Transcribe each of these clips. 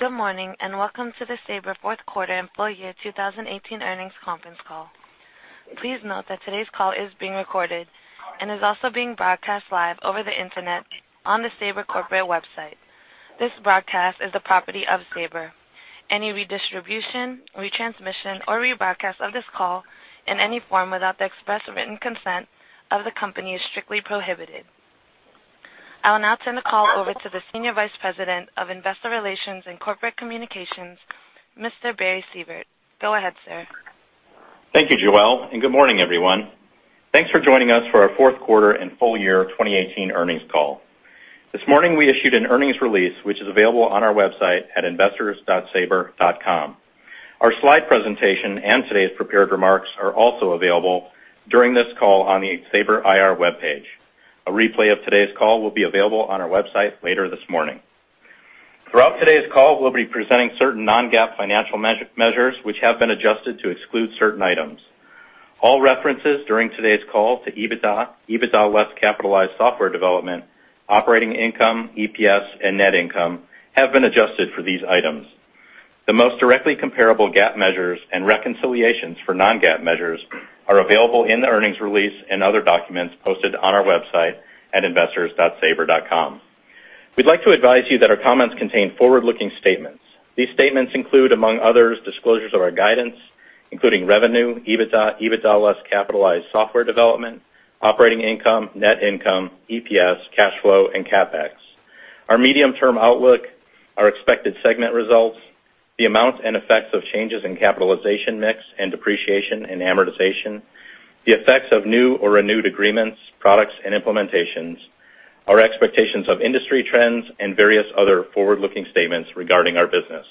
Good morning, welcome to the Sabre Fourth Quarter and Full Year 2018 Earnings Conference Call. Please note that today's call is being recorded and is also being broadcast live over the internet on the Sabre corporate website. This broadcast is the property of Sabre. Any redistribution, retransmission, or rebroadcast of this call in any form without the express written consent of the company is strictly prohibited. I'll now turn the call over to the Senior Vice President of Investor Relations and Corporate Communications, Mr. Barry Sievert. Go ahead, sir. Thank you, Joel, good morning, everyone. Thanks for joining us for our fourth quarter and full year 2018 earnings call. This morning, we issued an earnings release which is available on our website at investors.sabre.com. Our slide presentation and today's prepared remarks are also available during this call on the Sabre IR webpage. A replay of today's call will be available on our website later this morning. Throughout today's call, we'll be presenting certain non-GAAP financial measures which have been adjusted to exclude certain items. All references during today's call to EBITDA less capitalized software development, operating income, EPS, and net income have been adjusted for these items. The most directly comparable GAAP measures and reconciliations for non-GAAP measures are available in the earnings release and other documents posted on our website at investors.sabre.com. We'd like to advise you that our comments contain forward-looking statements. These statements include, among others, disclosures of our guidance, including revenue, EBITDA less capitalized software development, operating income, net income, EPS, cash flow, and CapEx. Our medium-term outlook, our expected segment results, the amount and effects of changes in capitalization mix and depreciation and amortization, the effects of new or renewed agreements, products, and implementations, our expectations of industry trends, and various other forward-looking statements regarding our business.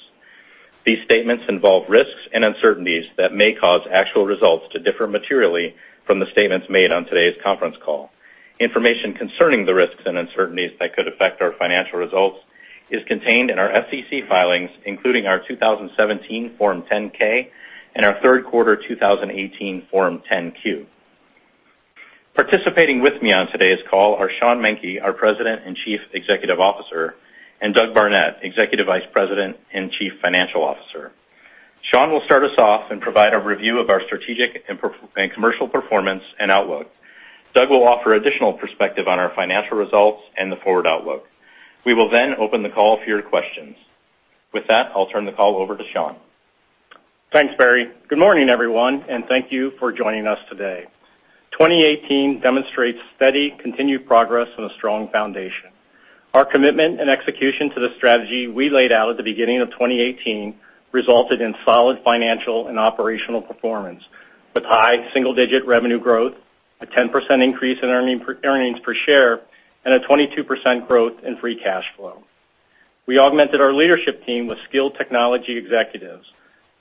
These statements involve risks and uncertainties that may cause actual results to differ materially from the statements made on today's conference call. Information concerning the risks and uncertainties that could affect our financial results is contained in our SEC filings, including our 2017 Form 10-K and our third quarter 2018 Form 10-Q. Participating with me on today's call are Sean Menke, our President and Chief Executive Officer, and Doug Barnett, Executive Vice President and Chief Financial Officer. Sean will start us off, provide a review of our strategic and commercial performance and outlook. Doug will offer additional perspective on our financial results and the forward outlook. We will open the call for your questions. With that, I'll turn the call over to Sean. Thanks, Barry. Good morning, everyone, and thank you for joining us today. 2018 demonstrates steady, continued progress on a strong foundation. Our commitment and execution to the strategy we laid out at the beginning of 2018 resulted in solid financial and operational performance, with high single-digit revenue growth, a 10% increase in earnings per share, and a 22% growth in free cash flow. We augmented our leadership team with skilled technology executives,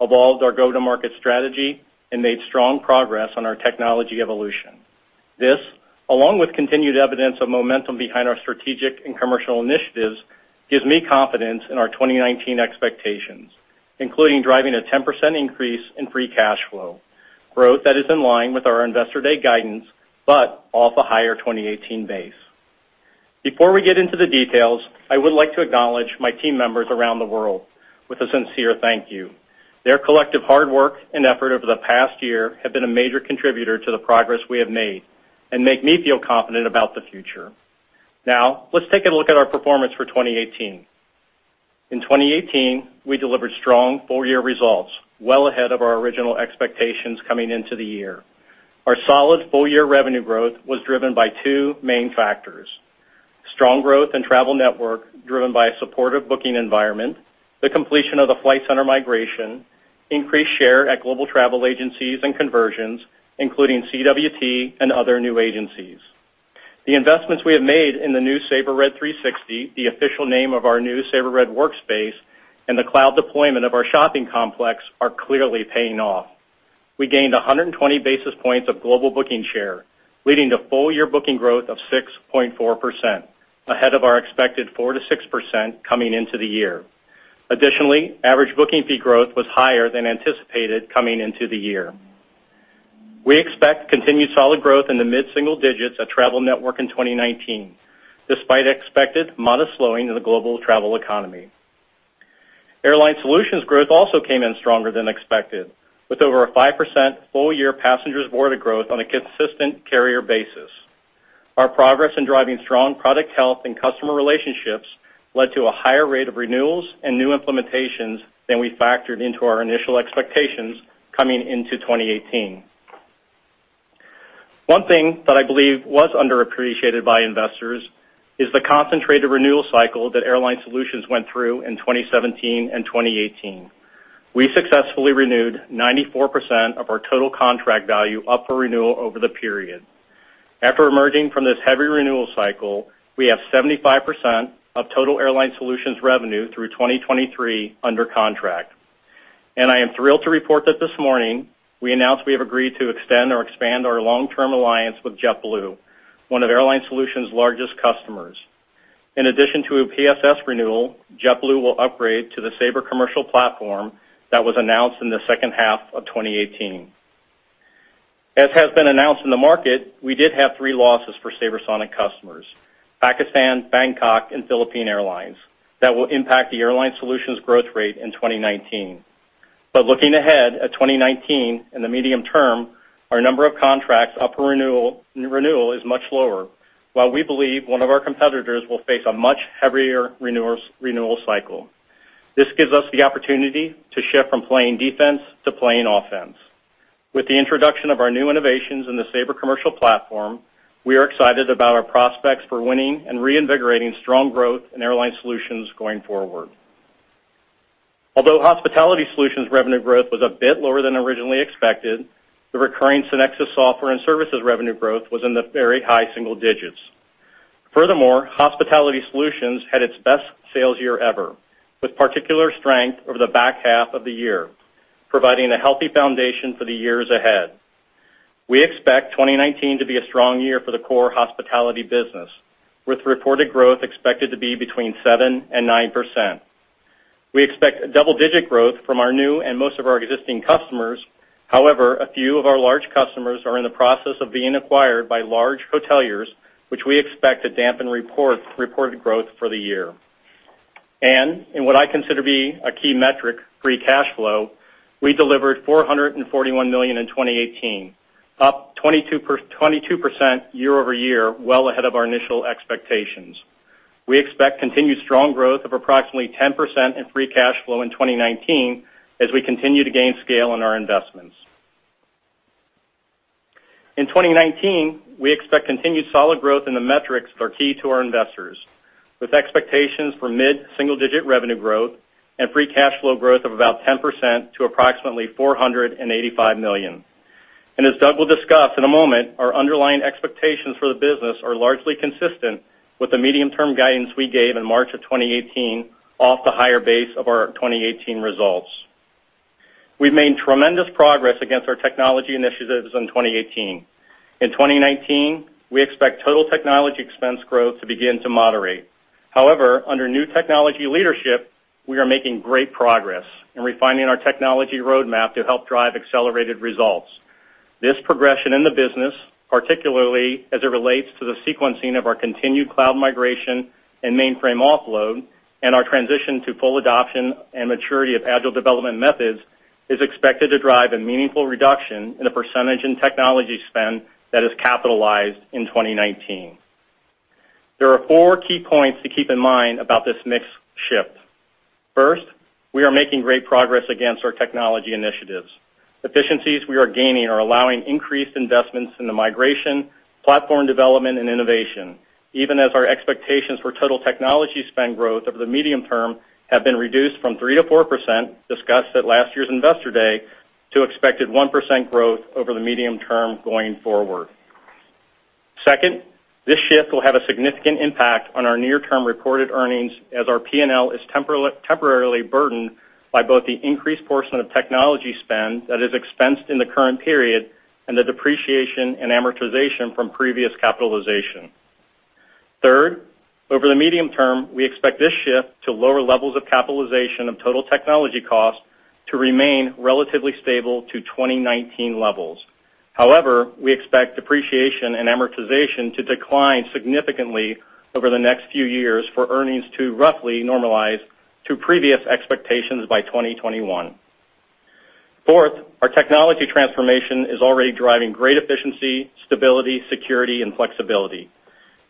evolved our go-to-market strategy, and made strong progress on our technology evolution. This, along with continued evidence of momentum behind our strategic and commercial initiatives, gives me confidence in our 2019 expectations, including driving a 10% increase in free cash flow, growth that is in line with our Investor Day guidance, but off a higher 2018 base. Before we get into the details, I would like to acknowledge my team members around the world with a sincere thank you. Their collective hard work and effort over the past year have been a major contributor to the progress we have made and make me feel confident about the future. Now, let's take a look at our performance for 2018. In 2018, we delivered strong full-year results well ahead of our original expectations coming into the year. Our solid full-year revenue growth was driven by two main factors, strong growth in Travel Network driven by a supportive booking environment, the completion of the Flight Centre migration, increased share at global travel agencies and conversions, including CWT and other new agencies. The investments we have made in the new Sabre Red 360, the official name of our new Sabre Red Workspace, and the cloud deployment of our shopping complex are clearly paying off. We gained 120 basis points of global booking share, leading to full-year booking growth of 6.4%, ahead of our expected 4%-6% coming into the year. Additionally, average booking fee growth was higher than anticipated coming into the year. We expect continued solid growth in the mid-single digits at Travel Network in 2019, despite expected modest slowing of the global travel economy. Airline Solutions growth also came in stronger than expected, with over a 5% full-year passengers boarded growth on a consistent carrier basis. Our progress in driving strong product health and customer relationships led to a higher rate of renewals and new implementations than we factored into our initial expectations coming into 2018. One thing that I believe was underappreciated by investors is the concentrated renewal cycle that Airline Solutions went through in 2017 and 2018. We successfully renewed 94% of our total contract value up for renewal over the period. After emerging from this heavy renewal cycle, we have 75% of total Airline Solutions revenue through 2023 under contract. I am thrilled to report that this morning, we announced we have agreed to extend or expand our long-term alliance with JetBlue, one of Airline Solutions' largest customers. In addition to a PSS renewal, JetBlue will upgrade to the Sabre Commercial Platform that was announced in the second half of 2018. As has been announced in the market, we did have three losses for SabreSonic customers, Pakistan, Bangkok, and Philippine Airlines, that will impact the Airline Solutions growth rate in 2019. Looking ahead at 2019 and the medium term, our number of contracts up for renewal is much lower, while we believe one of our competitors will face a much heavier renewal cycle. This gives us the opportunity to shift from playing defense to playing offense. With the introduction of our new innovations in the Sabre Commercial Platform, we are excited about our prospects for winning and reinvigorating strong growth in airline solutions going forward. Although hospitality solutions revenue growth was a bit lower than originally expected, the recurring SynXis software and services revenue growth was in the very high single digits. Furthermore, Sabre Hospitality Solutions had its best sales year ever, with particular strength over the back half of the year, providing a healthy foundation for the years ahead. We expect 2019 to be a strong year for the core hospitality business, with reported growth expected to be between 7%-9%. We expect a double-digit growth from our new and most of our existing customers. However, a few of our large customers are in the process of being acquired by large hoteliers, which we expect to dampen reported growth for the year. In what I consider to be a key metric, free cash flow, we delivered $441 million in 2018, up 22% year-over-year, well ahead of our initial expectations. We expect continued strong growth of approximately 10% in free cash flow in 2019 as we continue to gain scale in our investments. In 2019, we expect continued solid growth in the metrics that are key to our investors, with expectations for mid-single digit revenue growth and free cash flow growth of about 10% to approximately $485 million. As Doug will discuss in a moment, our underlying expectations for the business are largely consistent with the medium-term guidance we gave in March 2018 off the higher base of our 2018 results. We've made tremendous progress against our technology initiatives in 2018. In 2019, we expect total technology expense growth to begin to moderate. However, under new technology leadership, we are making great progress in refining our technology roadmap to help drive accelerated results. This progression in the business, particularly as it relates to the sequencing of our continued cloud migration and mainframe offload and our transition to full adoption and maturity of agile development methods, is expected to drive a meaningful reduction in the percentage in technology spend that is capitalized in 2019. There are four key points to keep in mind about this mix shift. First, we are making great progress against our technology initiatives. Efficiencies we are gaining are allowing increased investments in the migration, platform development, and innovation, even as our expectations for total technology spend growth over the medium term have been reduced from 3%-4%, discussed at last year's Investor Day, to expected 1% growth over the medium term going forward. Second, this shift will have a significant impact on our near-term reported earnings as our P&L is temporarily burdened by both the increased portion of technology spend that is expensed in the current period and the depreciation and amortization from previous capitalization. Third, over the medium term, we expect this shift to lower levels of capitalization of total technology costs to remain relatively stable to 2019 levels. However, we expect depreciation and amortization to decline significantly over the next few years for earnings to roughly normalize to previous expectations by 2021. Fourth, our technology transformation is already driving great efficiency, stability, security, and flexibility.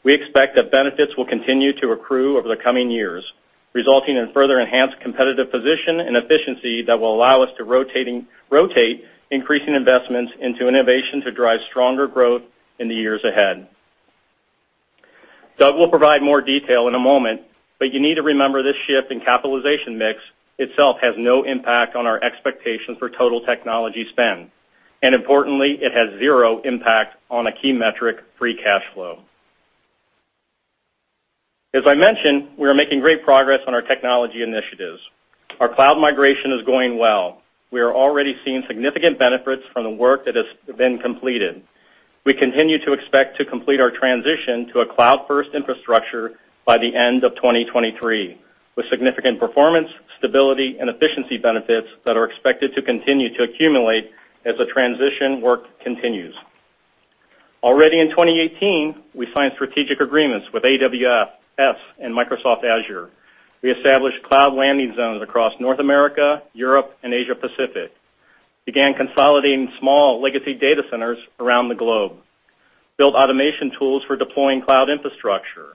We expect that benefits will continue to accrue over the coming years, resulting in further enhanced competitive position and efficiency that will allow us to rotate increasing investments into innovation to drive stronger growth in the years ahead. Doug will provide more detail in a moment, you need to remember this shift in capitalization mix itself has no impact on our expectations for total technology spend. Importantly, it has zero impact on a key metric, free cash flow. As I mentioned, we are making great progress on our technology initiatives. Our cloud migration is going well. We are already seeing significant benefits from the work that has been completed. We continue to expect to complete our transition to a cloud-first infrastructure by the end of 2023, with significant performance, stability, and efficiency benefits that are expected to continue to accumulate as the transition work continues. Already in 2018, we signed strategic agreements with AWS and Microsoft Azure. We established cloud landing zones across North America, Europe, and Asia Pacific, began consolidating small legacy data centers around the globe, built automation tools for deploying cloud infrastructure,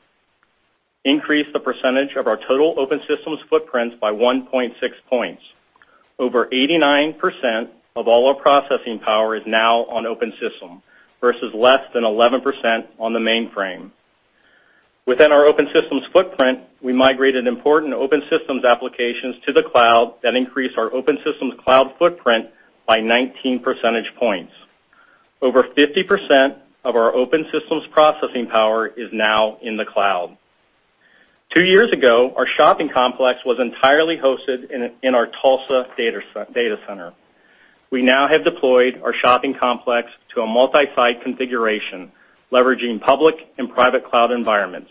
increased the percentage of our total open systems footprints by 1.6 points. Over 89% of all our processing power is now on open system versus less than 11% on the mainframe. Within our open systems footprint, we migrated important open systems applications to the cloud that increase our open systems cloud footprint by 19 percentage points. Over 50% of our open systems processing power is now in the cloud. Two years ago, our shopping complex was entirely hosted in our Tulsa data center. We now have deployed our shopping complex to a multi-site configuration, leveraging public and private cloud environments.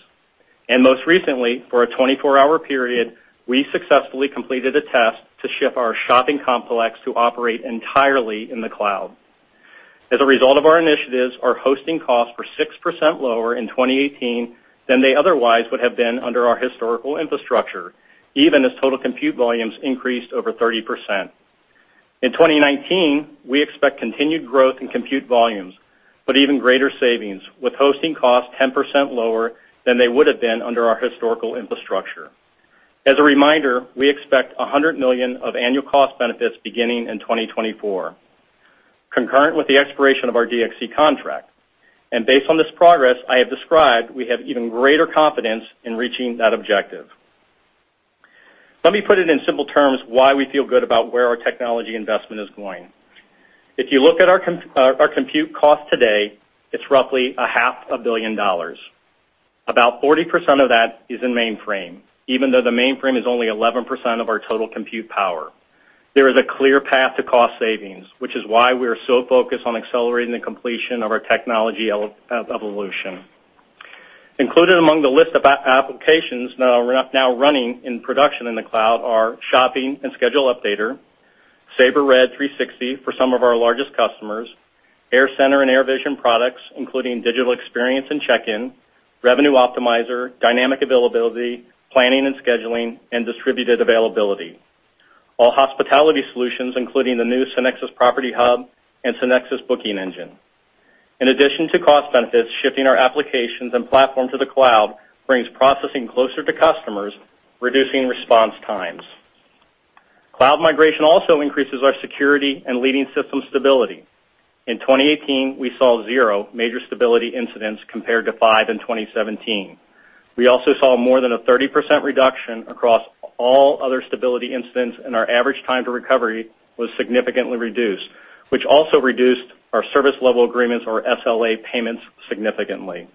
Most recently, for a 24-hour period, we successfully completed a test to ship our shopping complex to operate entirely in the cloud. As a result of our initiatives, our hosting costs were 6% lower in 2018 than they otherwise would have been under our historical infrastructure, even as total compute volumes increased over 30%. In 2019, we expect continued growth in compute volumes, even greater savings, with hosting costs 10% lower than they would have been under our historical infrastructure. As a reminder, we expect $100 million of annual cost benefits beginning in 2024, concurrent with the expiration of our DXC contract. Based on this progress I have described, we have even greater confidence in reaching that objective. Let me put it in simple terms why we feel good about where our technology investment is going. If you look at our compute cost today, it's roughly a half a billion dollars. About 40% of that is in mainframe, even though the mainframe is only 11% of our total compute power. There is a clear path to cost savings, which is why we are so focused on accelerating the completion of our technology evolution. Included among the list of applications now running in production in the cloud are Shopping and Schedule Updater, Sabre Red 360 for some of our largest customers, AirCentre and AirVision products, including digital experience and check-in, Revenue Optimizer, dynamic availability, planning and scheduling, and distributed availability. All hospitality solutions, including the new SynXis Property Hub and SynXis Booking Engine. In addition to cost benefits, shifting our applications and platform to the cloud brings processing closer to customers, reducing response times. Cloud migration also increases our security and leading system stability. In 2018, we saw zero major stability incidents compared to five in 2017. We also saw more than a 30% reduction across all other stability incidents, and our average time to recovery was significantly reduced, which also reduced our service level agreements or SLA payments significantly.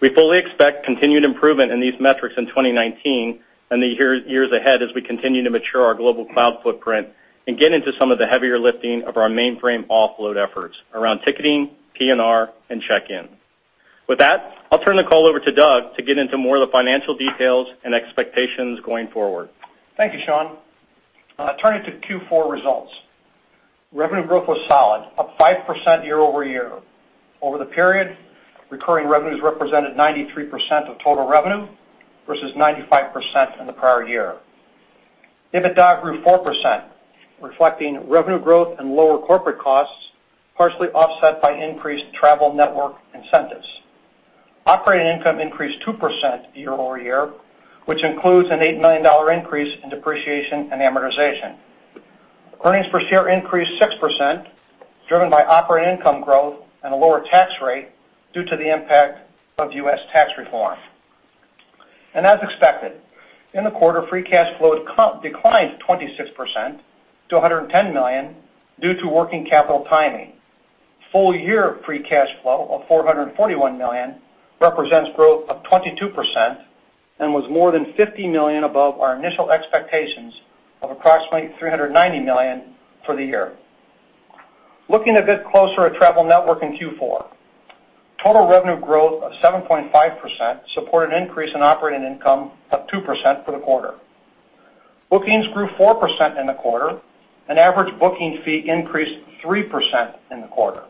We fully expect continued improvement in these metrics in 2019 and the years ahead as we continue to mature our global cloud footprint and get into some of the heavier lifting of our mainframe offload efforts around ticketing, PNR, and check-in. With that, I'll turn the call over to Doug to get into more of the financial details and expectations going forward. Thank you, Sean. Turning to Q4 results. Revenue growth was solid, up 5% year-over-year. Over the period, recurring revenues represented 93% of total revenue versus 95% in the prior year. EBITDA grew 4%, reflecting revenue growth and lower corporate costs, partially offset by increased Sabre Travel Network incentives. Operating income increased 2% year-over-year, which includes an $8 million increase in depreciation and amortization. Earnings per share increased 6%, driven by operating income growth and a lower tax rate due to the impact of U.S. tax reform. As expected, in the quarter, free cash flow declined 26% to $110 million due to working capital timing. Full year free cash flow of $441 million represents growth of 22% and was more than $50 million above our initial expectations of approximately $390 million for the year. Looking a bit closer at Sabre Travel Network in Q4. Total revenue growth of 7.5% supported an increase in operating income of 2% for the quarter. Bookings grew 4% in the quarter and average booking fee increased 3% in the quarter.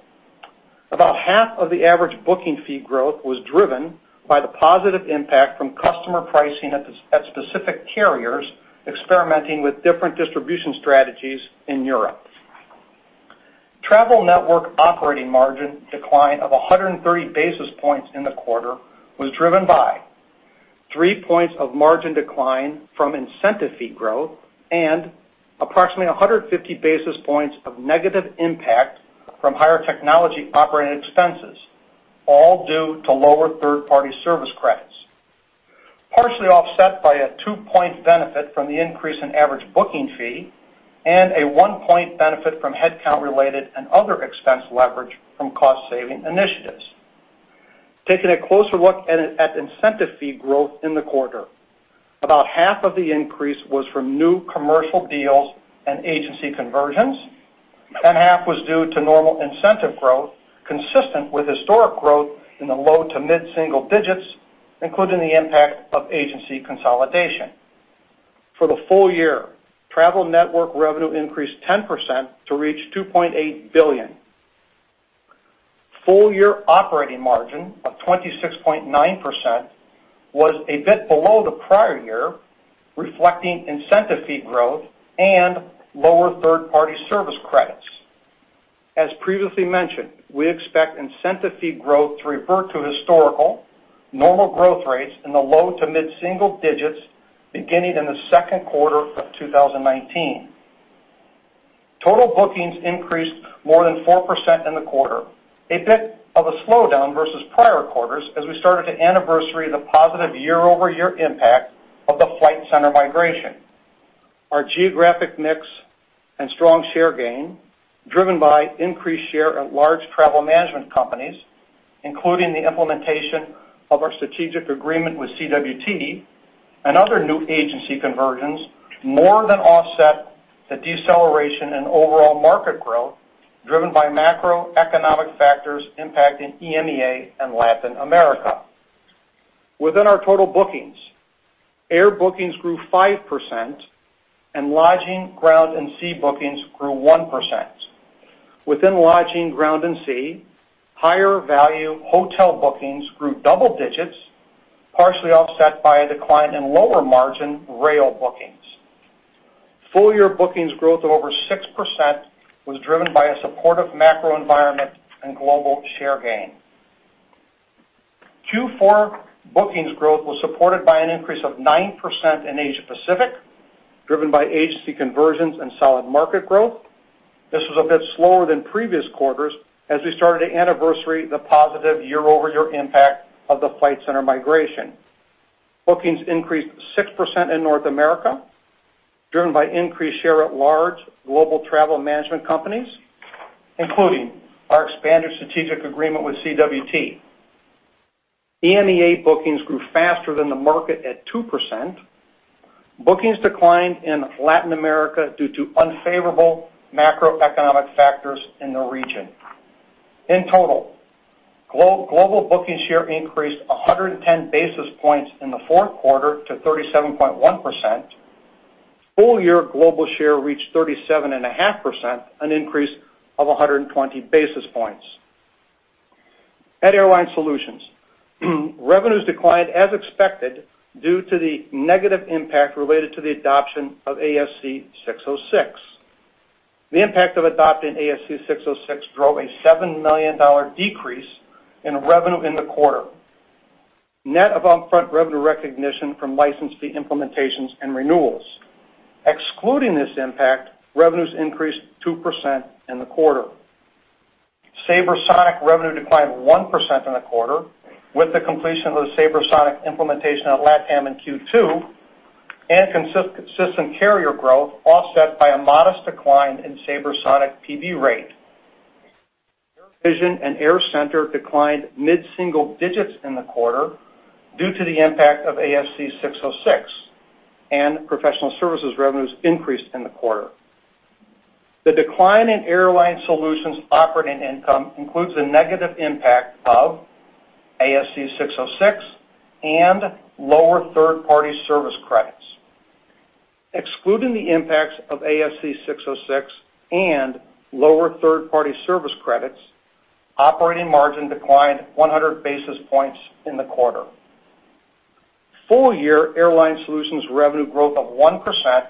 About half of the average booking fee growth was driven by the positive impact from customer pricing at specific carriers experimenting with different distribution strategies in Europe. Sabre Travel Network operating margin decline of 130 basis points in the quarter was driven by three points of margin decline from incentive fee growth and approximately 150 basis points of negative impact from higher technology operating expenses, all due to lower third-party service credits. Partially offset by a two-point benefit from the increase in average booking fee and a one-point benefit from headcount related and other expense leverage from cost-saving initiatives. Taking a closer look at incentive fee growth in the quarter. About half of the increase was from new commercial deals and agency conversions, and half was due to normal incentive growth consistent with historic growth in the low to mid-single digits, including the impact of agency consolidation. For the full year, Sabre Travel Network revenue increased 10% to reach $2.8 billion. Full year operating margin of 26.9% was a bit below the prior year, reflecting incentive fee growth and lower third-party service credits. As previously mentioned, we expect incentive fee growth to revert to historical normal growth rates in the low to mid-single digits beginning in the second quarter of 2019. Total bookings increased more than 4% in the quarter, a bit of a slowdown versus prior quarters as we started to anniversary the positive year-over-year impact of the Flight Centre migration. Our geographic mix and strong share gain, driven by increased share at large travel management companies, including the implementation of our strategic agreement with CWT and other new agency conversions more than offset the deceleration in overall market growth, driven by macroeconomic factors impacting EMEA and Latin America. Within our total bookings, air bookings grew 5%, and lodging, ground, and sea bookings grew 1%. Within lodging, ground, and sea, higher value hotel bookings grew double digits, partially offset by a decline in lower margin rail bookings. Full year bookings growth of over 6% was driven by a supportive macro environment and global share gain. Q4 bookings growth was supported by an increase of 9% in Asia Pacific, driven by agency conversions and solid market growth. This was a bit slower than previous quarters as we started to anniversary the positive year-over-year impact of the Flight Centre migration. Bookings increased 6% in North America, driven by increased share at large global travel management companies, including our expanded strategic agreement with CWT. EMEA bookings grew faster than the market at 2%. Bookings declined in Latin America due to unfavorable macroeconomic factors in the region. In total, global booking share increased 110 basis points in the fourth quarter to 37.1%. Full year global share reached 37.5%, an increase of 120 basis points. At Sabre Airline Solutions, revenues declined as expected due to the negative impact related to the adoption of ASC 606. The impact of adopting ASC 606 drove a $7 million decrease in revenue in the quarter, net of upfront revenue recognition from licensee implementations and renewals. Excluding this impact, revenues increased 2% in the quarter. SabreSonic revenue declined 1% in the quarter with the completion of the SabreSonic implementation at LATAM Airlines in Q2 and consistent carrier growth offset by a modest decline in SabreSonic PB rate. AirVision and AirCentre declined mid-single digits in the quarter due to the impact of ASC 606 and professional services revenues increased in the quarter. The decline in Sabre Airline Solutions operating income includes a negative impact of ASC 606 and lower third-party service credits. Excluding the impacts of ASC 606 and lower third-party service credits, operating margin declined 100 basis points in the quarter. Full year Sabre Airline Solutions revenue growth of 1%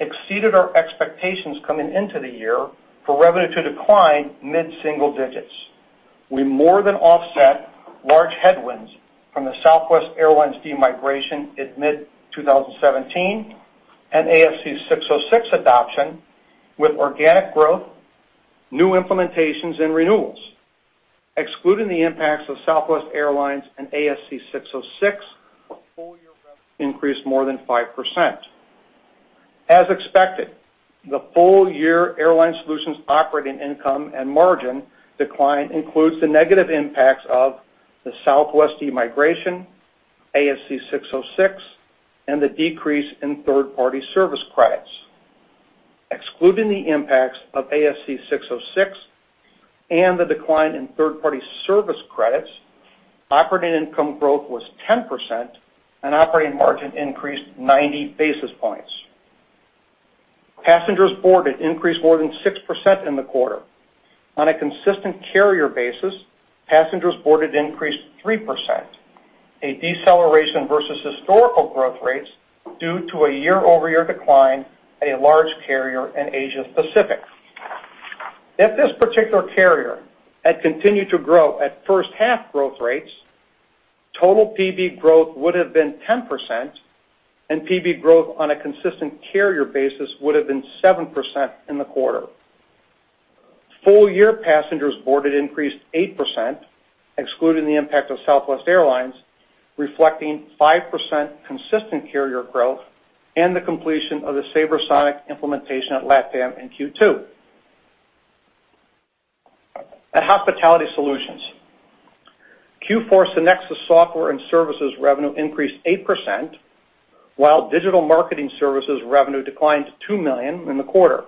exceeded our expectations coming into the year for revenue to decline mid-single digits. We more than offset large headwinds from the Southwest Airlines demigration at mid-2017 and ASC 606 adoption with organic growth, new implementations, and renewals. Excluding the impacts of Southwest Airlines and ASC 606, our full-year revenue increased more than 5%. As expected, the full-year Sabre Airline Solutions operating income and margin decline includes the negative impacts of the Southwest demigration, ASC 606, and the decrease in third-party service credits. Excluding the impacts of ASC 606 and the decline in third-party service credits, operating income growth was 10% and operating margin increased 90 basis points. Passengers boarded increased more than 6% in the quarter. On a consistent carrier basis, passengers boarded increased 3%, a deceleration versus historical growth rates due to a year-over-year decline at a large carrier in Asia Pacific. If this particular carrier had continued to grow at first half growth rates, total PB growth would have been 10% and PB growth on a consistent carrier basis would have been 7% in the quarter. Full-year passengers boarded increased 8%, excluding the impact of Southwest Airlines, reflecting 5% consistent carrier growth and the completion of the SabreSonic implementation at LATAM Airlines in Q2. At Sabre Hospitality Solutions, Q4 SynXis software and services revenue increased 8%, while digital marketing services revenue declined to $2 million in the quarter,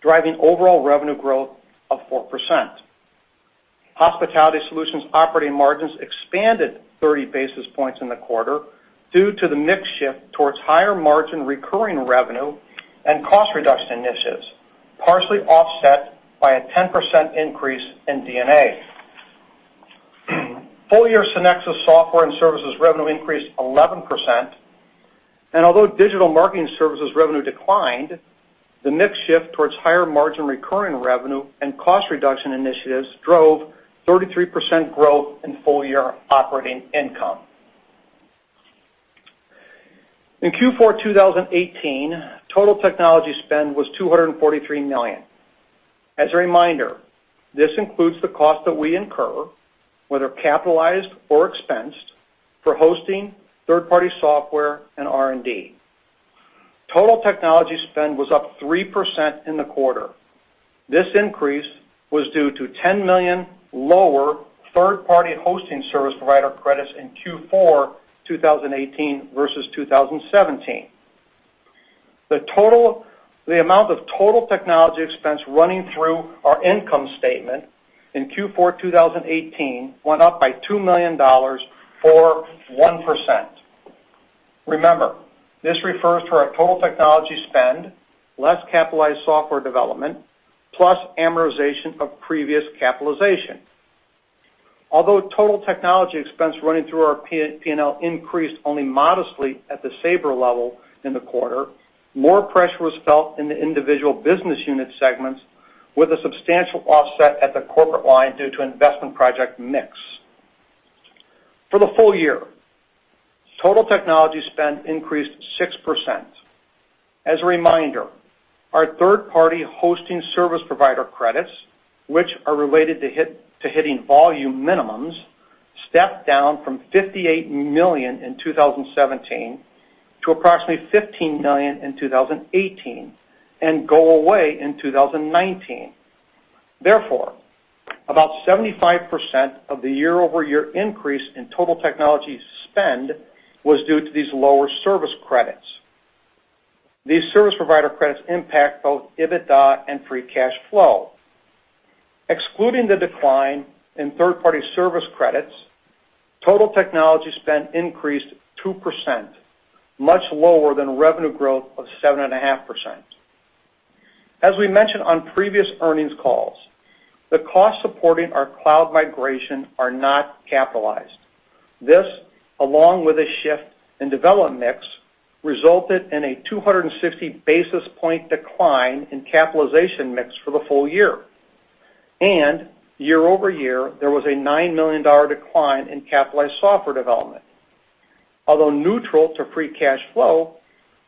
driving overall revenue growth of 4%. Sabre Hospitality Solutions operating margins expanded 30 basis points in the quarter due to the mix shift towards higher margin recurring revenue and cost reduction initiatives, partially offset by a 10% increase in D&A. Full-year SynXis software and services revenue increased 11% and although digital marketing services revenue declined, the mix shift towards higher margin recurring revenue and cost reduction initiatives drove 33% growth in full-year operating income. In Q4 2018, total technology spend was $243 million. As a reminder, this includes the cost that we incur, whether capitalized or expensed, for hosting third-party software and R&D. Total technology spend was up 3% in the quarter. This increase was due to $10 million lower third-party hosting service provider credits in Q4 2018 versus 2017. The amount of total technology expense running through our income statement in Q4 2018 went up by $2 million or 1%. Remember, this refers to our total technology spend less capitalized software development plus amortization of previous capitalization. Although total technology expense running through our P&L increased only modestly at the Sabre level in the quarter, more pressure was felt in the individual business unit segments with a substantial offset at the corporate line due to investment project mix. For the full-year, total technology spend increased 6%. As a reminder, our third-party hosting service provider credits, which are related to hitting volume minimums, stepped down from $58 million in 2017 to approximately $15 million in 2018 and go away in 2019. About 75% of the year-over-year increase in total technology spend was due to these lower service credits. These service provider credits impact both EBITDA and free cash flow. Excluding the decline in third-party service credits, total technology spend increased 2%, much lower than revenue growth of 7.5%. As we mentioned on previous earnings calls, the costs supporting our cloud migration are not capitalized. This, along with a shift in development mix, resulted in a 260 basis point decline in capitalization mix for the full-year. Year-over-year, there was a $9 million decline in capitalized software development. Although neutral to free cash flow,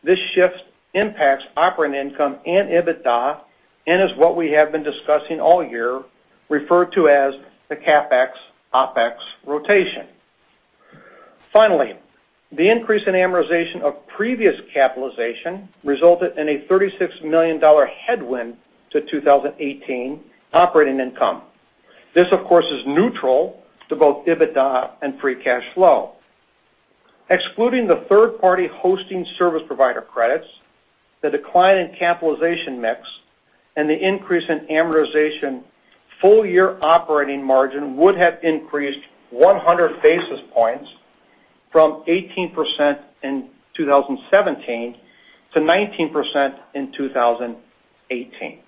this shift impacts operating income and EBITDA and is what we have been discussing all year referred to as the CapEx OpEx rotation. Finally, the increase in amortization of previous capitalization resulted in a $36 million headwind to 2018 operating income. This, of course, is neutral to both EBITDA and free cash flow. Excluding the third-party hosting service provider credits, the decline in capitalization mix, and the increase in amortization, full-year operating margin would have increased 100 basis points from 18% in 2017 to 19% in 2018.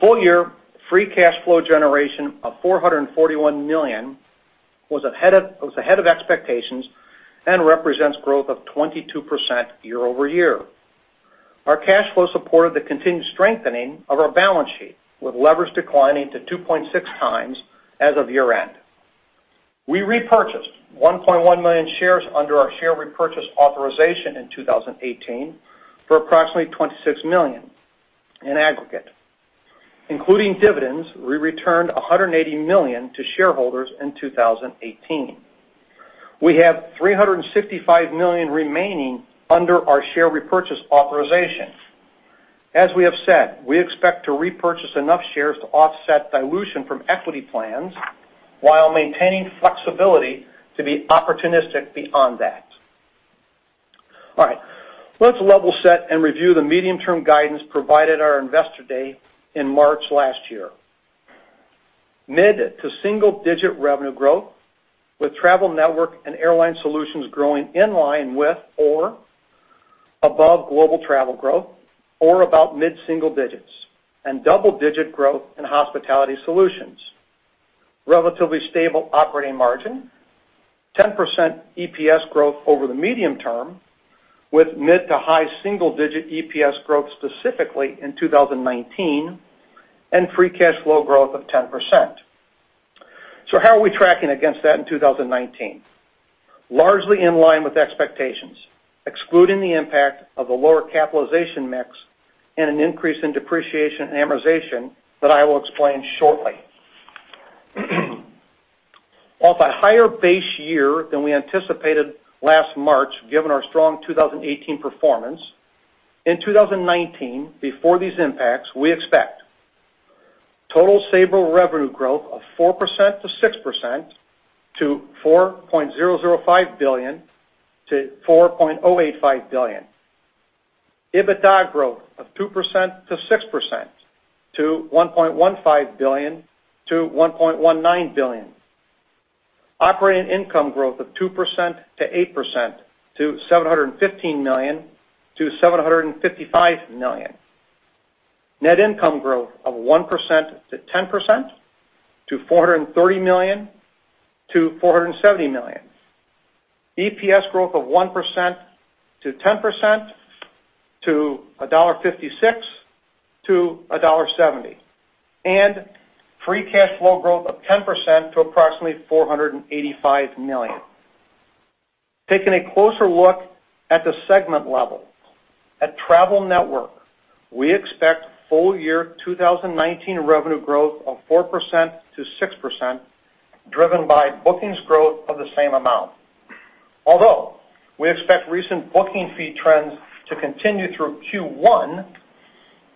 Full-year free cash flow generation of $441 million was ahead of expectations and represents growth of 22% year-over-year. Our cash flow supported the continued strengthening of our balance sheet, with leverage declining to 2.6x as of year-end. We repurchased 1.1 million shares under our share repurchase authorization in 2018 for approximately $26 million in aggregate. Including dividends, we returned $180 million to shareholders in 2018. We have $365 million remaining under our share repurchase authorization. As we have said, we expect to repurchase enough shares to offset dilution from equity plans while maintaining flexibility to be opportunistic beyond that. All right. Let's level set and review the medium-term guidance provided at our Investor Day in March last year. Mid to single-digit revenue growth with Travel Network and Airline Solutions growing in line with or above global travel growth or about mid-single digits, and double-digit growth in Hospitality Solutions. Relatively stable operating margin, 10% EPS growth over the medium term with mid to high single-digit EPS growth specifically in 2019, and free cash flow growth of 10%. How are we tracking against that in 2019? Largely in line with expectations, excluding the impact of the lower capitalization mix and an increase in depreciation and amortization that I will explain shortly. Off a higher base year than we anticipated last March, given our strong 2018 performance, in 2019, before these impacts, we expect total Sabre revenue growth of 4%-6% to $4.005 billion-$4.085 billion. EBITDA growth of 2%-6% to $1.15 billion-$1.19 billion. Operating income growth of 2%-8% to $715 million-$755 million. Net income growth of 1%-10% to $430 million-$470 million. EPS growth of 1%-10% to $1.56-$1.70. Free cash flow growth of 10% to approximately $485 million. Taking a closer look at the segment level. At Travel Network, we expect full year 2019 revenue growth of 4%-6%, driven by bookings growth of the same amount. Although we expect recent booking fee trends to continue through Q1,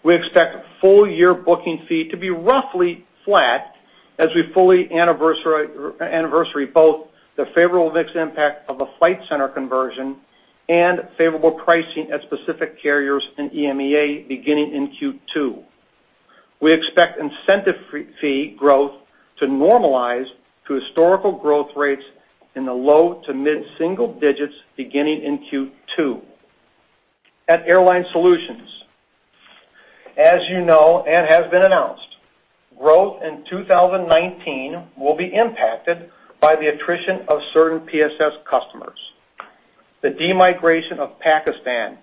we expect full year booking fee to be roughly flat as we fully anniversary both the favorable mix impact of the Flight Centre conversion and favorable pricing at specific carriers in EMEA beginning in Q2. We expect incentive fee growth to normalize to historical growth rates in the low to mid-single digits beginning in Q2. At Airline Solutions, as you know and has been announced, growth in 2019 will be impacted by the attrition of certain PSS customers. The de-migration of Pakistan,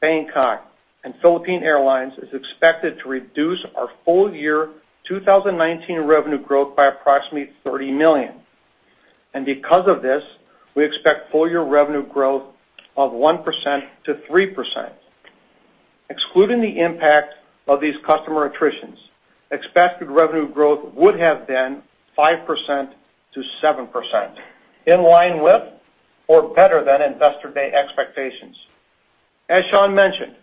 Bangkok, and Philippine Airlines is expected to reduce our full year 2019 revenue growth by approximately $30 million. Because of this, we expect full year revenue growth of 1%-3%. Excluding the impact of these customer attritions, expected revenue growth would have been 5%-7%, in line with or better than Investor Day expectations. As Sean mentioned,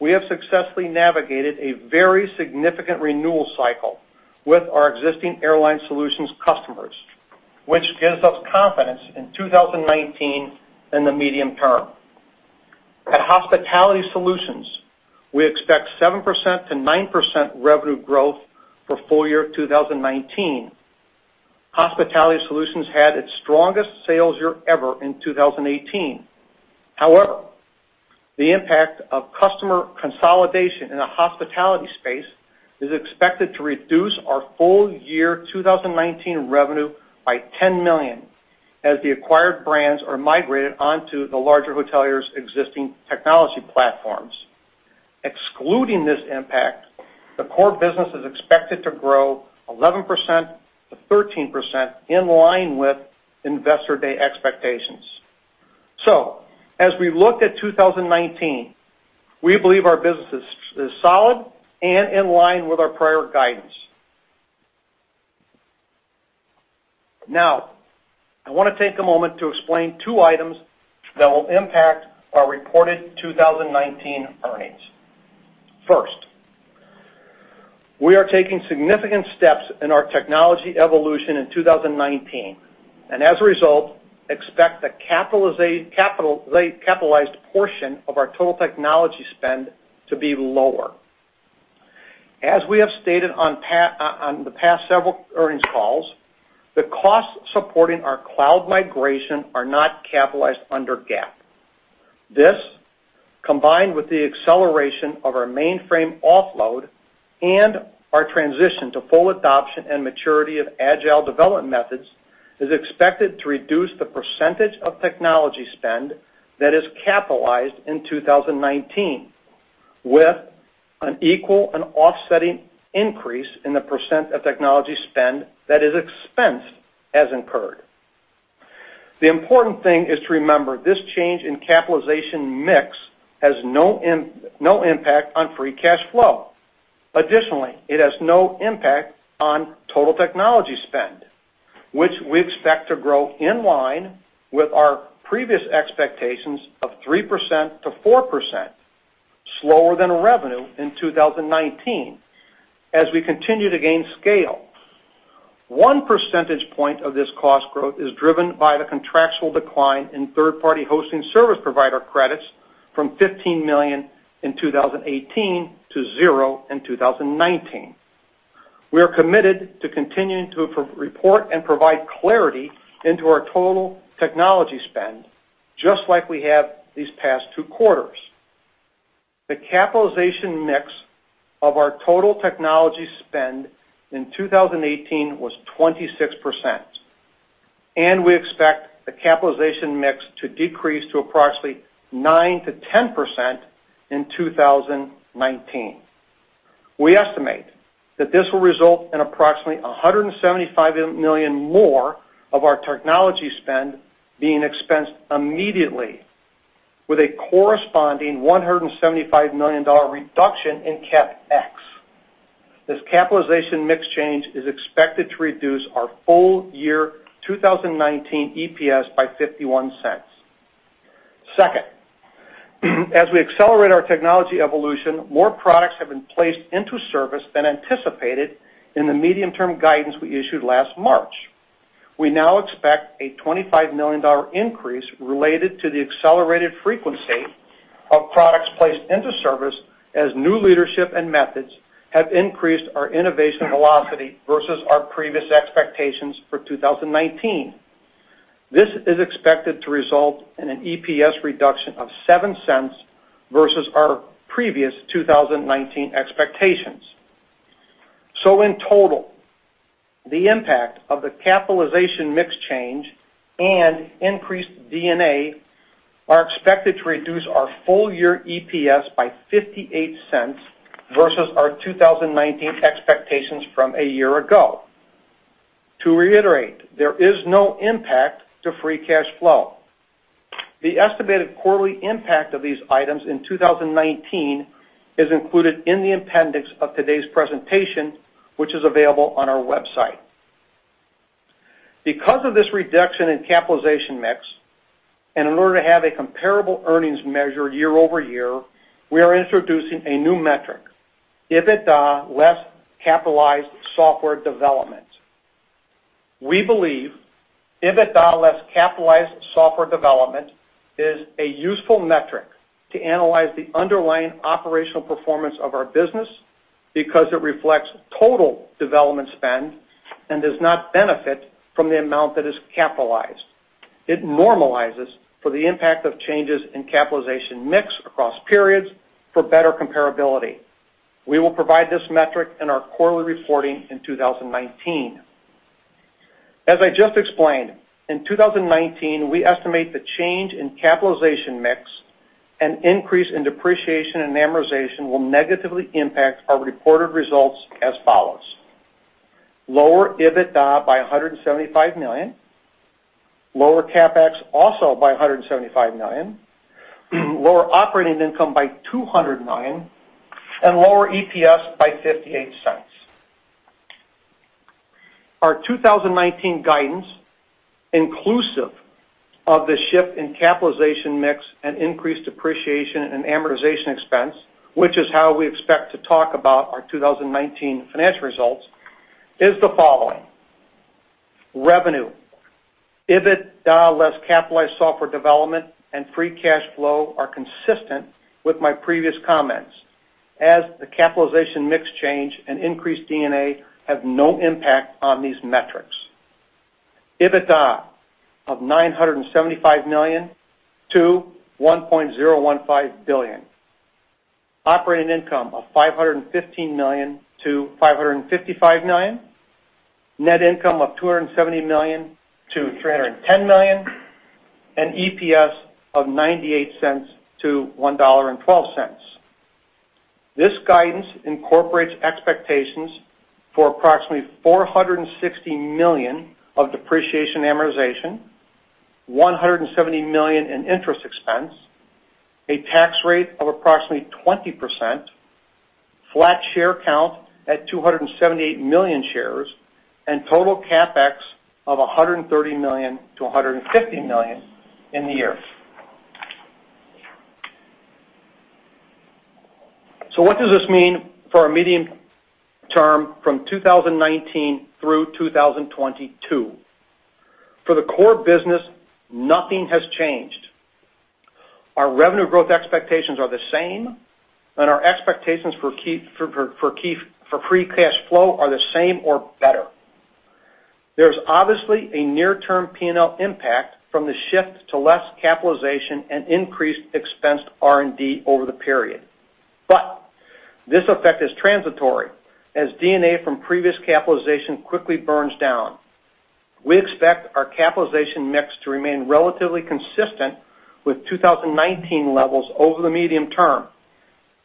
we have successfully navigated a very significant renewal cycle with our existing Airline Solutions customers, which gives us confidence in 2019 and the medium term. At Hospitality Solutions, we expect 7%-9% revenue growth for full year 2019. Hospitality Solutions had its strongest sales year ever in 2018. However, the impact of customer consolidation in the hospitality space is expected to reduce our full year 2019 revenue by $10 million, as the acquired brands are migrated onto the larger hoteliers' existing technology platforms. Excluding this impact, the core business is expected to grow 11%-13%, in line with Investor Day expectations. As we look at 2019, we believe our business is solid and in line with our prior guidance. I want to take a moment to explain two items that will impact our reported 2019 earnings. First, we are taking significant steps in our technology evolution in 2019. As a result, expect the capitalized portion of our total technology spend to be lower. As we have stated on the past several earnings calls, the costs supporting our cloud migration are not capitalized under GAAP. This, combined with the acceleration of our mainframe offload and our transition to full adoption and maturity of agile development methods, is expected to reduce the percentage of technology spend that is capitalized in 2019 with an equal and offsetting increase in the percent of technology spend that is expensed as incurred. The important thing is to remember this change in capitalization mix has no impact on free cash flow. Additionally, it has no impact on total technology spend, which we expect to grow in line with our previous expectations of 3%-4%, slower than revenue in 2019, as we continue to gain scale. One percentage point of this cost growth is driven by the contractual decline in third-party hosting service provider credits from $15 million in 2018 to zero in 2019. We are committed to continuing to report and provide clarity into our total technology spend, just like we have these past two quarters. The capitalization mix of our total technology spend in 2018 was 26%, and we expect the capitalization mix to decrease to approximately 9%-10% in 2019. We estimate that this will result in approximately $175 million more of our technology spend being expensed immediately, with a corresponding $175 million reduction in CapEx. This capitalization mix change is expected to reduce our full year 2019 EPS by $0.51. Second, as we accelerate our technology evolution, more products have been placed into service than anticipated in the medium-term guidance we issued last March. We now expect a $25 million increase related to the accelerated frequency of products placed into service as new leadership and methods have increased our innovation velocity versus our previous expectations for 2019. This is expected to result in an EPS reduction of $0.07 versus our previous 2019 expectations. In total, the impact of the capitalization mix change and increased D&A are expected to reduce our full year EPS by $0.58 versus our 2019 expectations from a year ago. To reiterate, there is no impact to free cash flow. The estimated quarterly impact of these items in 2019 is included in the appendix of today's presentation, which is available on our website. Because of this reduction in capitalization mix, in order to have a comparable earnings measure year-over-year, we are introducing a new metric, EBITDA less capitalized software development. We believe EBITDA less capitalized software development is a useful metric to analyze the underlying operational performance of our business because it reflects total development spend and does not benefit from the amount that is capitalized. It normalizes for the impact of changes in capitalization mix across periods for better comparability. We will provide this metric in our quarterly reporting in 2019. As I just explained, in 2019, we estimate the change in capitalization mix and increase in depreciation and amortization will negatively impact our reported results as follows: lower EBITDA by $175 million, lower CapEx also by $175 million, lower operating income by $200 million, lower EPS by $0.58. Our 2019 guidance, inclusive of the shift in capitalization mix and increased depreciation and amortization expense, which is how we expect to talk about our 2019 financial results, is the following. Revenue, EBITDA less capitalized software development, and free cash flow are consistent with my previous comments as the capitalization mix change and increased D&A have no impact on these metrics. EBITDA of $975 million-$1.015 billion. Operating income of $515 million-$555 million. Net income of $270 million-$310 million. EPS of $0.98-$1.12. This guidance incorporates expectations for approximately $460 million of depreciation amortization, $170 million in interest expense, a tax rate of approximately 20%, flat share count at 278 million shares, and total CapEx of $130 million-$150 million in the year. What does this mean for our medium term from 2019 through 2022? For the core business, nothing has changed. Our revenue growth expectations are the same, and our expectations for free cash flow are the same or better. There's obviously a near-term P&L impact from the shift to less capitalization and increased expensed R&D over the period. This effect is transitory, as D&A from previous capitalization quickly burns down. We expect our capitalization mix to remain relatively consistent with 2019 levels over the medium term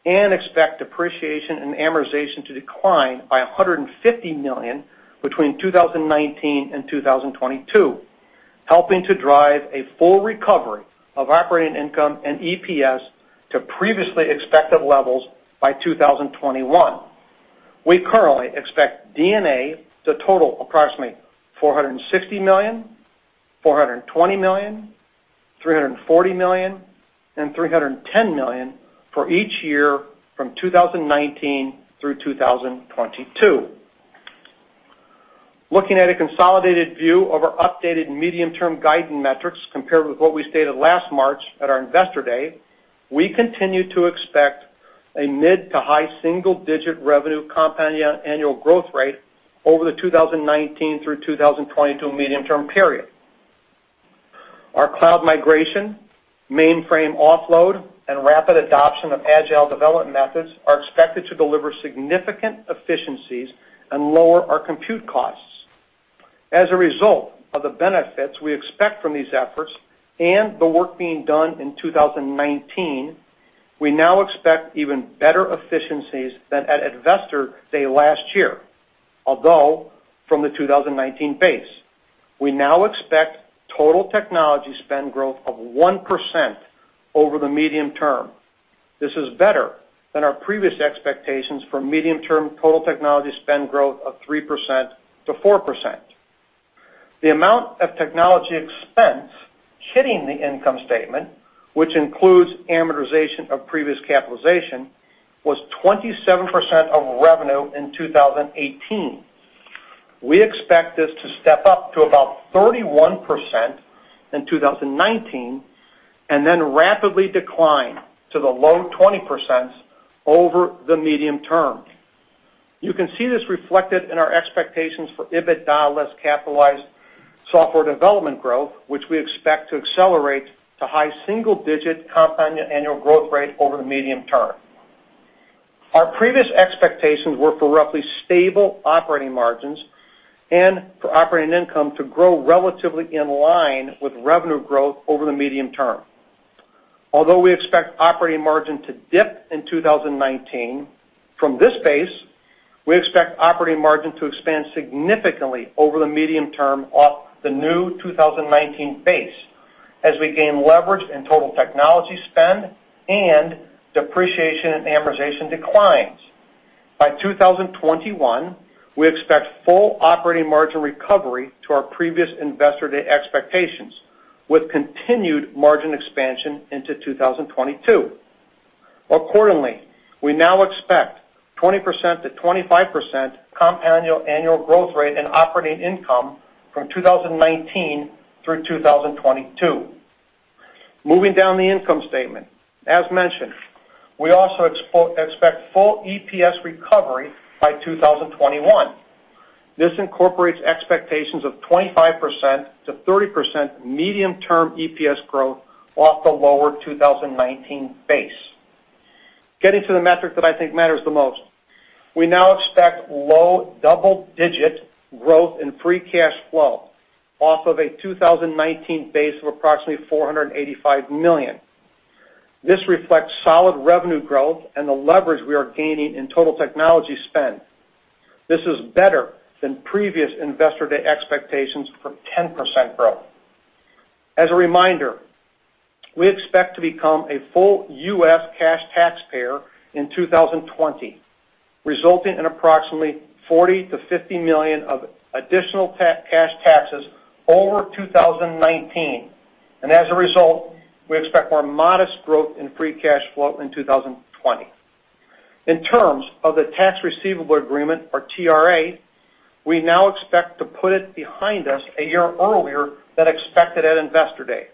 and expect depreciation and amortization to decline by $150 million between 2019 and 2022, helping to drive a full recovery of operating income and EPS to previously expected levels by 2021. We currently expect D&A to total approximately $460 million, $420 million, $340 million, and $310 million for each year from 2019 through 2022. Looking at a consolidated view of our updated medium-term guidance metrics compared with what we stated last March at our Investor Day, we continue to expect a mid-to-high single-digit revenue compound annual growth rate over the 2019 through 2022 medium-term period. Our cloud migration, mainframe offload, and rapid adoption of agile development methods are expected to deliver significant efficiencies and lower our compute costs. As a result of the benefits we expect from these efforts and the work being done in 2019, we now expect even better efficiencies than at Investor Day last year, although from the 2019 base. We now expect total technology spend growth of 1% over the medium term. This is better than our previous expectations for medium-term total technology spend growth of 3%-4%. The amount of technology expense hitting the income statement, which includes amortization of previous capitalization, was 27% of revenue in 2018. We expect this to step up to about 31% in 2019 and then rapidly decline to the low 20% over the medium term. You can see this reflected in our expectations for EBITDA less capitalized software development growth, which we expect to accelerate to high single-digit compound annual growth rate over the medium term. Our previous expectations were for roughly stable operating margins and for operating income to grow relatively in line with revenue growth over the medium term. Although we expect operating margin to dip in 2019 from this base, we expect operating margin to expand significantly over the medium term off the new 2019 base as we gain leverage in total technology spend and depreciation and amortization declines. By 2021, we expect full operating margin recovery to our previous Investor Day expectations, with continued margin expansion into 2022. Accordingly, we now expect 20%-25% compound annual growth rate in operating income from 2019 through 2022. Moving down the income statement. As mentioned, we also expect full EPS recovery by 2021. This incorporates expectations of 25%-30% medium-term EPS growth off the lower 2019 base. Getting to the metric that I think matters the most, we now expect low double-digit growth in free cash flow off of a 2019 base of approximately $485 million. This reflects solid revenue growth and the leverage we are gaining in total technology spend. This is better than previous Investor Day expectations for 10% growth. As a reminder, we expect to become a full U.S. cash taxpayer in 2020, resulting in approximately $40 million-$50 million of additional cash taxes over 2019. As a result, we expect more modest growth in free cash flow in 2020. In terms of the tax receivable agreement, or TRA, we now expect to put it behind us a year earlier than expected at Investor Day.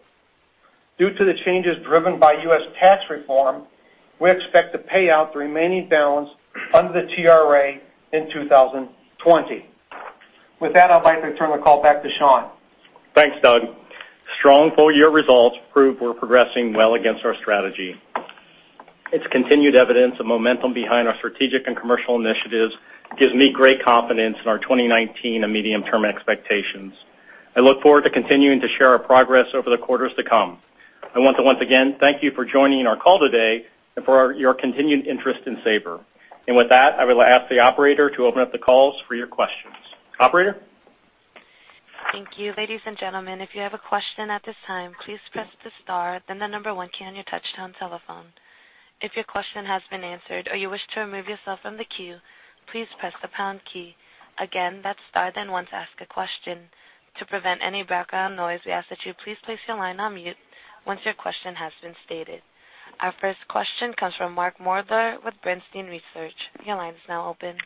Due to the changes driven by U.S. tax reform, we expect to pay out the remaining balance under the TRA in 2020. With that, I'd like to turn the call back to Sean. Thanks, Doug. Strong full-year results prove we are progressing well against our strategy. Its continued evidence of momentum behind our strategic and commercial initiatives gives me great confidence in our 2019 and medium-term expectations. I look forward to continuing to share our progress over the quarters to come. I want to once again thank you for joining our call today and for your continued interest in Sabre. With that, I will ask the operator to open up the calls for your questions. Operator? Thank you. Ladies and gentlemen, if you have a question at this time, please press the star, then the number one key on your touchtone telephone. If your question has been answered or you wish to remove yourself from the queue, please press the pound key. Again, that is star then one to ask a question. To prevent any background noise, we ask that you please place your line on mute once your question has been stated. Our first question comes from Mark Moerdler with Bernstein Research. Your line is now open.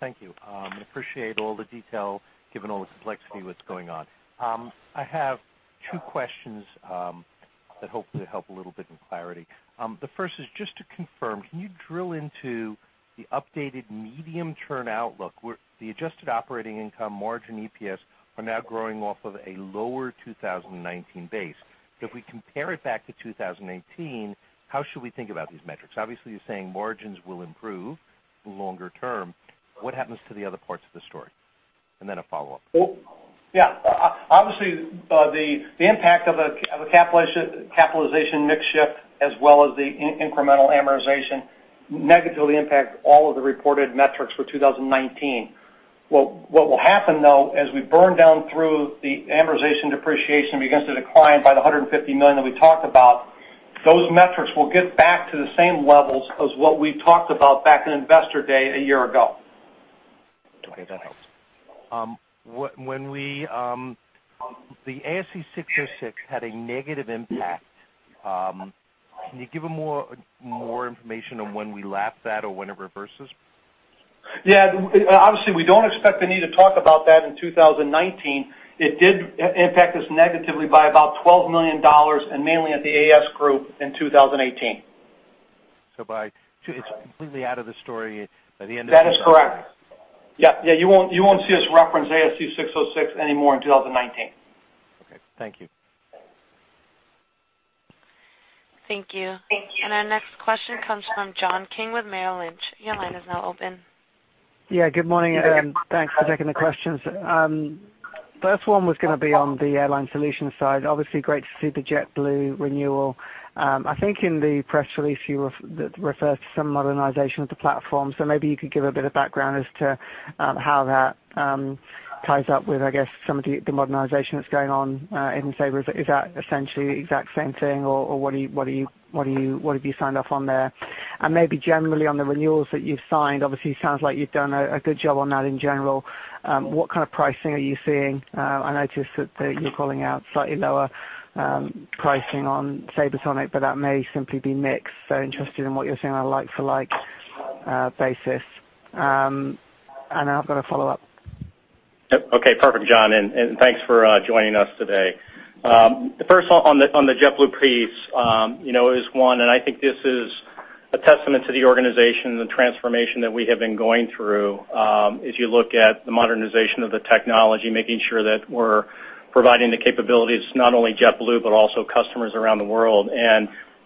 Thank you. Appreciate all the detail given all the complexity of what is going on. I have two questions that hopefully help a little bit in clarity. The first is just to confirm, can you drill into the updated medium-term outlook where the adjusted operating income margin EPS are now growing off of a lower 2019 base? If we compare it back to 2018, how should we think about these metrics? Obviously, you are saying margins will improve longer term. What happens to the other parts of the story? Then a follow-up. Yeah. Obviously, the impact of a capitalization mix shift as well as the incremental amortization negatively impact all of the reported metrics for 2019. What will happen, though, as we burn down through the amortization depreciation begins to decline by the $150 million that we talked about, those metrics will get back to the same levels as what we talked about back in Investor Day a year ago. Okay, that helps. The ASC 606 had a negative impact. Can you give more information on when we lap that or when it reverses? Yeah. Obviously, we don't expect the need to talk about that in 2019. It did impact us negatively by about $12 million and mainly at the AS group in 2018. It's completely out of the story by the end of 2019. That is correct. Yeah. You won't see us reference ASC 606 anymore in 2019. Okay. Thank you. Thank you. Our next question comes from John King with Merrill Lynch. Your line is now open. Good morning, everyone. Thanks for taking the questions. First one was going to be on the Airline Solution side. Obviously, great to see the JetBlue renewal. I think in the press release, you referred to some modernization of the platform, so maybe you could give a bit of background as to how that ties up with, I guess, some of the modernization that's going on in Sabre. Is that essentially the exact same thing, or what have you signed off on there? Maybe generally on the renewals that you've signed, obviously, it sounds like you've done a good job on that in general. What kind of pricing are you seeing? I noticed that you're calling out slightly lower pricing on SabreSonic, but that may simply be mix, so interested in what you're seeing on a like for like basis. Then I've got a follow-up. Okay, perfect, John, and thanks for joining us today. First, on the JetBlue piece, and I think this is a testament to the organization and the transformation that we have been going through. If you look at the modernization of the technology, making sure that we're providing the capabilities, not only JetBlue, but also customers around the world.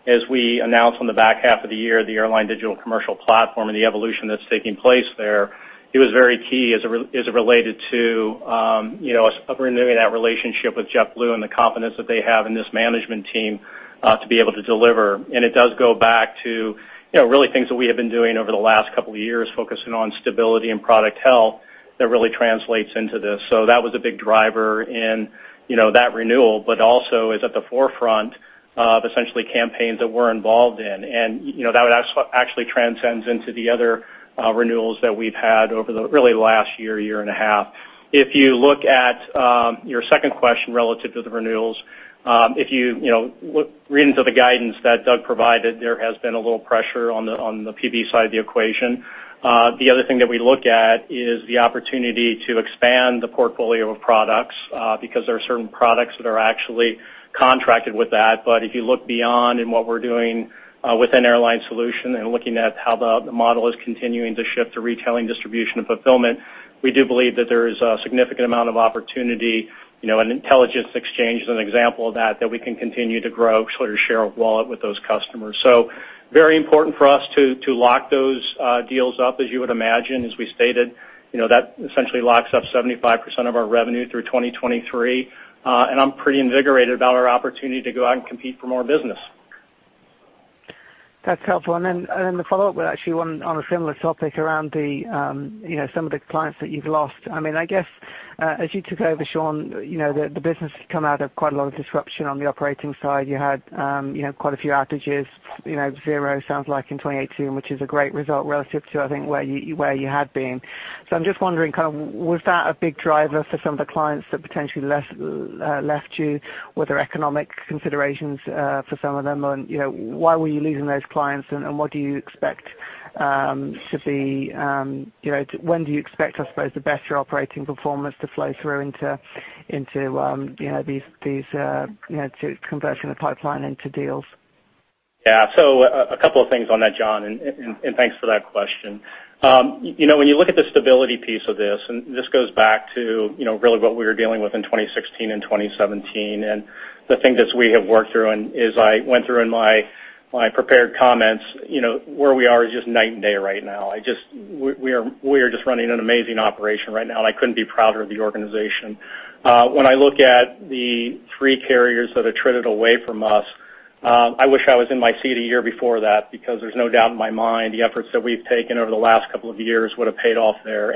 As we announced on the back half of the year, the Digital Airline Commercial Platform and the evolution that's taking place there, it was very key as it related to us renewing that relationship with JetBlue and the confidence that they have in this management team, to be able to deliver. It does go back to really things that we have been doing over the last couple of years, focusing on stability and product health that really translates into this. That was a big driver in that renewal, but also is at the forefront of essentially campaigns that we're involved in. That actually transcends into the other renewals that we've had over the really last year and a half. If you look at your second question relative to the renewals, if you read into the guidance that Doug provided, there has been a little pressure on the PB side of the equation. The other thing that we look at is the opportunity to expand the portfolio of products, because there are certain products that are actually contracted with that. If you look beyond in what we're doing within Airline Solutions and looking at how the model is continuing to shift to retailing distribution and fulfillment, we do believe that there is a significant amount of opportunity, and Intelligence Exchange is an example of that we can continue to grow share of wallet with those customers. Very important for us to lock those deals up, as you would imagine. As we stated, that essentially locks up 75% of our revenue through 2023. I'm pretty invigorated about our opportunity to go out and compete for more business. That's helpful. The follow-up, actually, on a similar topic around some of the clients that you've lost. I guess, as you took over, Sean, the business has come out of quite a lot of disruption on the operating side. You had quite a few outages, zero sounds like in 2018, which is a great result relative to, I think, where you had been. I'm just wondering, was that a big driver for some of the clients that potentially left you? Were there economic considerations for some of them, and why were you losing those clients, and when do you expect, I suppose, the better operating performance to flow through into converting the pipeline into deals? Yeah. A couple of things on that, John, and thanks for that question. When you look at the stability piece of this, and this goes back to really what we were dealing with in 2016 and 2017, and the things that we have worked through and as I went through in my prepared comments, where we are is just night and day right now. We are just running an amazing operation right now, and I couldn't be prouder of the organization. When I look at the three carriers that have drifted away from us, I wish I was in my seat a year before that because there's no doubt in my mind the efforts that we've taken over the last couple of years would've paid off there.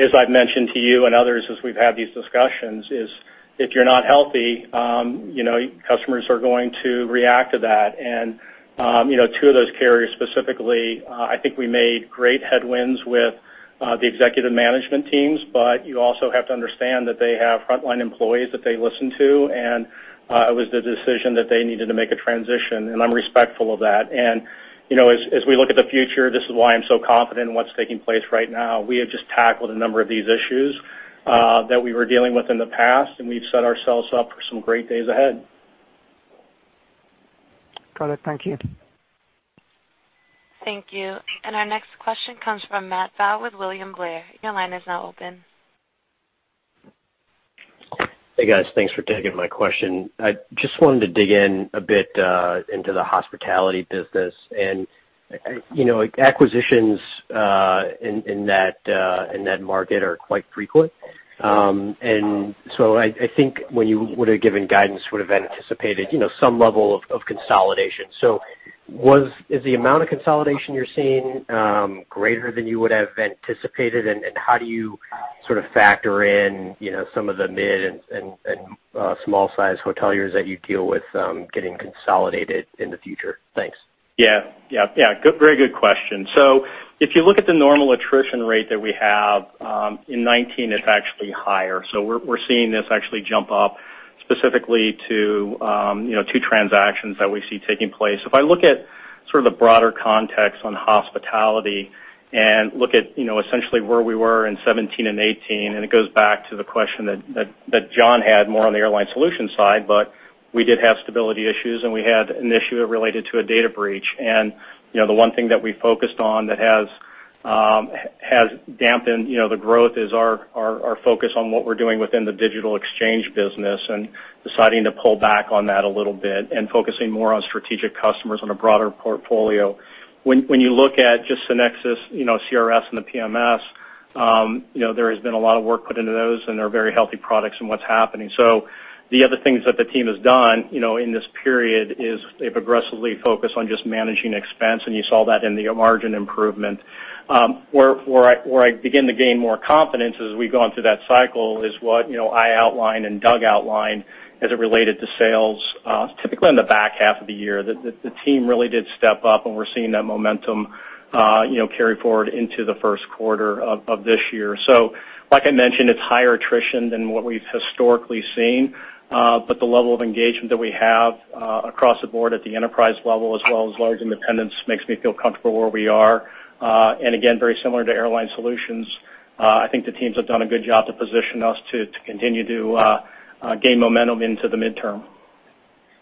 As I've mentioned to you and others as we've had these discussions is, if you're not healthy, customers are going to react to that. Two of those carriers specifically, I think we made great headwinds with the executive management teams, but you also have to understand that they have frontline employees that they listen to, and it was the decision that they needed to make a transition, and I'm respectful of that. As we look at the future, this is why I'm so confident in what's taking place right now. We have just tackled a number of these issues that we were dealing with in the past, and we've set ourselves up for some great days ahead. Got it. Thank you. Thank you. Our next question comes from Matt Pfau with William Blair. Your line is now open. Hey, guys. Thanks for taking my question. I just wanted to dig in a bit into the hospitality business. Acquisitions in that market are quite frequent. I think when you would've given guidance would've anticipated some level of consolidation. Is the amount of consolidation you're seeing greater than you would have anticipated, and how do you sort of factor in some of the mid and small-size hoteliers that you deal with getting consolidated in the future? Thanks. Very good question. If you look at the normal attrition rate that we have, in 2019, it's actually higher. We're seeing this actually jump up specifically to two transactions that we see taking place. If I look at sort of the broader context on hospitality and look at essentially where we were in 2017 and 2018, it goes back to the question that John had more on the Sabre Airline Solutions side, but we did have stability issues, and we had an issue related to a data breach. The one thing that we focused on that has dampened the growth is our focus on what we're doing within the digital exchange business and deciding to pull back on that a little bit and focusing more on strategic customers on a broader portfolio. When you look at just the SynXis CRS and the PMS, there has been a lot of work put into those, and they're very healthy products in what's happening. The other things that the team has done in this period is they've aggressively focused on just managing expense, and you saw that in the margin improvement. Where I begin to gain more confidence as we've gone through that cycle is what I outlined and Doug outlined as it related to sales, typically in the back half of the year. The team really did step up, and we're seeing that momentum carry forward into the first quarter of this year. Like I mentioned, it's higher attrition than what we've historically seen. The level of engagement that we have across the board at the enterprise level as well as large independents makes me feel comfortable where we are. Again, very similar to Sabre Airline Solutions, I think the teams have done a good job to position us to continue to gain momentum into the midterm.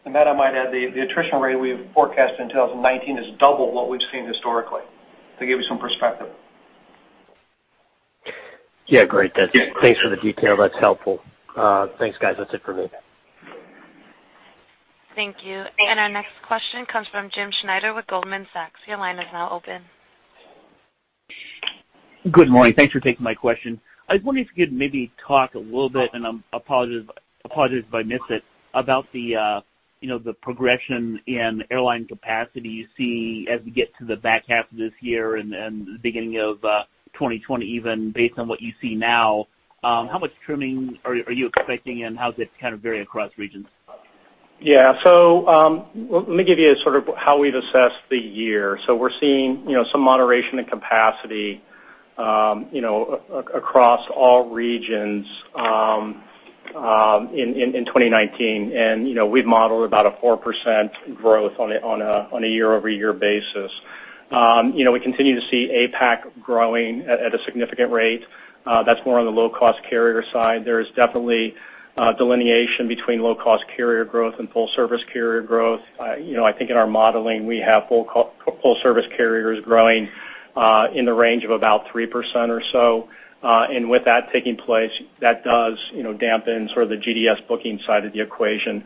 Matt, I might add, the attrition rate we've forecasted in 2019 is double what we've seen historically, to give you some perspective. Great. Thanks for the detail. That's helpful. Thanks, guys. That's it for me. Thank you. Our next question comes from James Schneider with Goldman Sachs. Your line is now open. Good morning. Thanks for taking my question. I was wondering if you could maybe talk a little bit, and I apologize if I missed it, about the progression in airline capacity you see as we get to the back half of this year and the beginning of 2020, even based on what you see now. How much trimming are you expecting, and how does it kind of vary across regions? Let me give you sort of how we've assessed the year. We're seeing some moderation in capacity across all regions in 2019. We've modeled about a 4% growth on a year-over-year basis. We continue to see APAC growing at a significant rate. That's more on the low-cost carrier side. There is definitely a delineation between low-cost carrier growth and full-service carrier growth. I think in our modeling, we have full service carriers growing in the range of about 3% or so. With that taking place, that does dampen sort of the GDS booking side of the equation.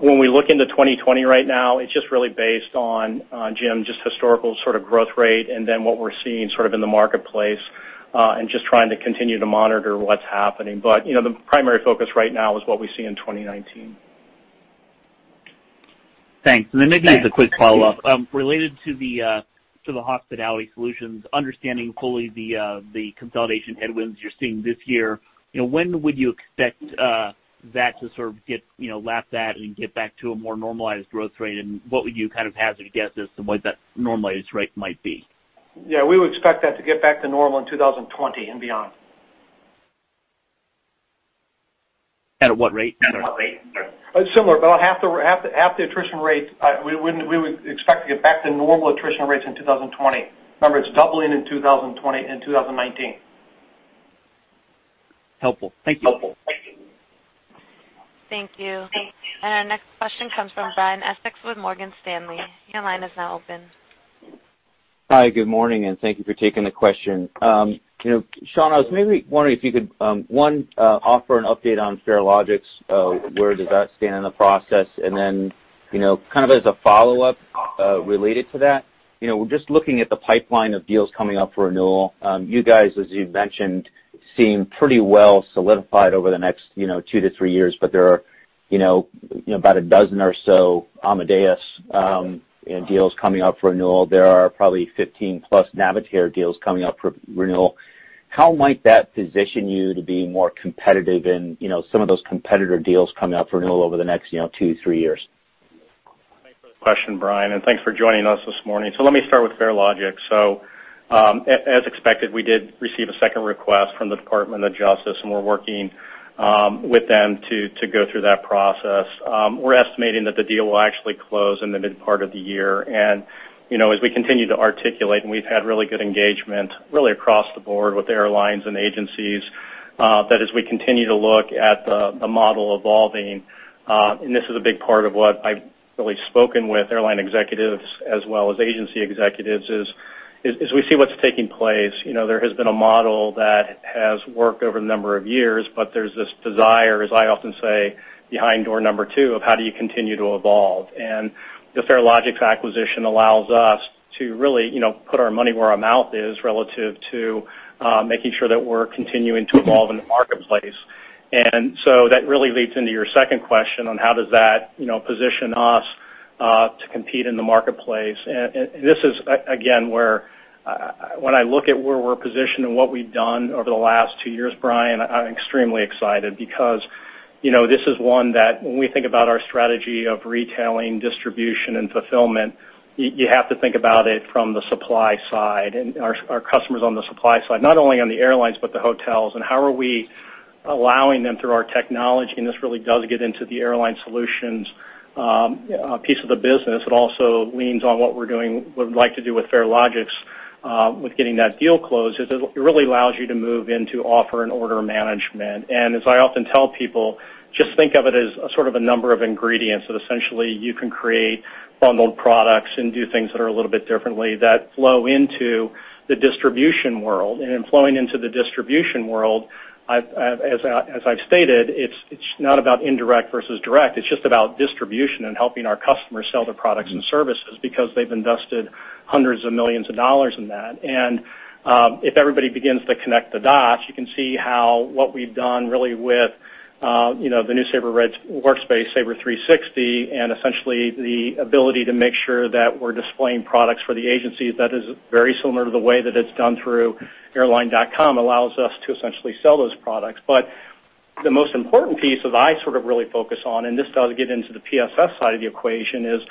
When we look into 2020 right now, it's just really based on, Jim, just historical sort of growth rate and then what we're seeing sort of in the marketplace, and just trying to continue to monitor what's happening. The primary focus right now is what we see in 2019. Thanks. Then maybe as a quick follow-up, related to the Hospitality Solutions, understanding fully the consolidation headwinds you're seeing this year, when would you expect that to sort of get lapped at and get back to a more normalized growth rate? And what would you kind of hazard a guess as to what that normalized rate might be? We would expect that to get back to normal in 2020 and beyond. At what rate? Similar, at the attrition rate, we would expect to get back to normal attrition rates in 2020. Remember, it's doubling in 2020 and 2019. Helpful. Thank you. Thank you. Our next question comes from Brian Essex with Morgan Stanley. Your line is now open. Hi, good morning, thank you for taking the question. Sean, I was maybe wondering if you could, one, offer an update on Farelogix, where does that stand in the process? Then, kind of as a follow-up related to that, we're just looking at the pipeline of deals coming up for renewal. You guys, as you've mentioned, seem pretty well solidified over the next two to three years, but there are about a dozen or so Amadeus deals coming up for renewal. There are probably 15+ Navitaire deals coming up for renewal. How might that position you to be more competitive in some of those competitor deals coming up for renewal over the next two to three years? Thanks for the question, Brian, and thanks for joining us this morning. Let me start with Farelogix. As expected, we did receive a second request from the Department of Justice, and we're working with them to go through that process. We're estimating that the deal will actually close in the mid part of the year. As we continue to articulate, and we've had really good engagement really across the board with airlines and agencies, that as we continue to look at the model evolving, and this is a big part of what I've really spoken with airline executives as well as agency executives, is we see what's taking place. There has been a model that has worked over a number of years, but there's this desire, as I often say, behind door number two of how do you continue to evolve. The Farelogix acquisition allows us to really put our money where our mouth is relative to making sure that we're continuing to evolve in the marketplace. That really leads into your second question on how does that position us to compete in the marketplace. This is, again, where when I look at where we're positioned and what we've done over the last two years, Brian, I'm extremely excited because this is one that when we think about our strategy of retailing, distribution, and fulfillment, you have to think about it from the supply side and our customers on the supply side, not only on the airlines, but the hotels, and how are we allowing them through our technology, and this really does get into the Airline Solutions piece of the business. It also leans on what we would like to do with Farelogix with getting that deal closed, is it really allows you to move into offer and order management. As I often tell people, just think of it as a sort of a number of ingredients that essentially you can create bundled products and do things that are a little bit differently that flow into the distribution world. In flowing into the distribution world, as I've stated, it's not about indirect versus direct. It's just about distribution and helping our customers sell their products and services because they've invested hundreds of millions of dollars in that. If everybody begins to connect the dots, you can see how what we've done really with the new Sabre Red Workspace, Sabre 360, and essentially the ability to make sure that we're displaying products for the agencies that is very similar to the way that it's done through airline.com allows us to essentially sell those products. The most important piece that I sort of really focus on, and this does get into the PSS side of the equation, is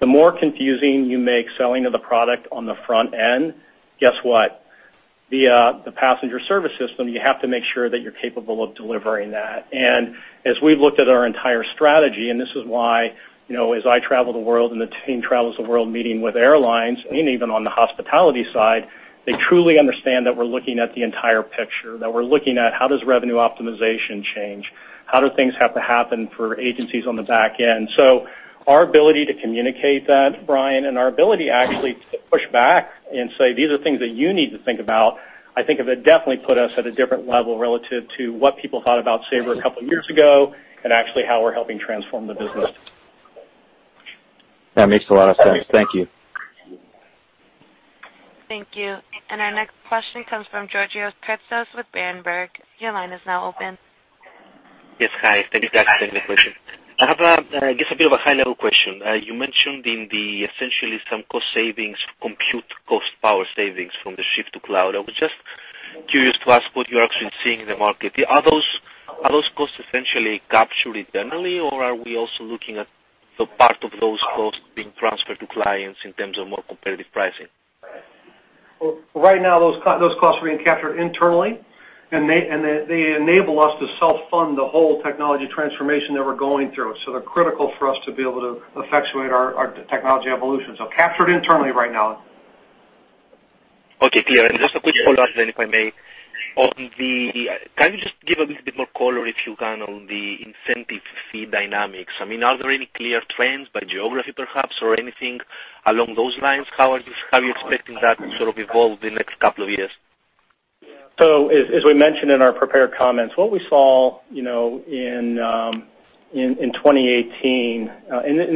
the more confusing you make selling of the product on the front end, guess what? The Passenger Service System, you have to make sure that you're capable of delivering that. As we've looked at our entire strategy, and this is why as I travel the world and the team travels the world meeting with airlines, and even on the hospitality side, they truly understand that we're looking at the entire picture, that we're looking at how does revenue optimization change? How do things have to happen for agencies on the back end? Our ability to communicate that, Brian, and our ability actually to push back and say, "These are things that you need to think about," I think have definitely put us at a different level relative to what people thought about Sabre a couple years ago, and actually how we're helping transform the business. That makes a lot of sense. Thank you. Thank you. Our next question comes from Georgios Kertsos with Berenberg. Your line is now open. Yes. Hi. Thank you for taking the question. I have, I guess, a bit of a high-level question. You mentioned in the, essentially, some cost savings, compute cost power savings from the shift to cloud. I was just curious to ask what you're actually seeing in the market. Are those costs essentially captured internally or are we also looking at the part of those costs being transferred to clients in terms of more competitive pricing? Well, right now, those costs are being captured internally, and they enable us to self-fund the whole technology transformation that we're going through. They're critical for us to be able to effectuate our technology evolution. Captured internally right now. Okay. Clear. Just a quick follow-up then, if I may. Can you just give a little bit more color, if you can, on the incentive fee dynamics? I mean, are there any clear trends by geography perhaps, or anything along those lines? How are you expecting that to sort of evolve the next couple of years? As we mentioned in our prepared comments, what we saw in 2018.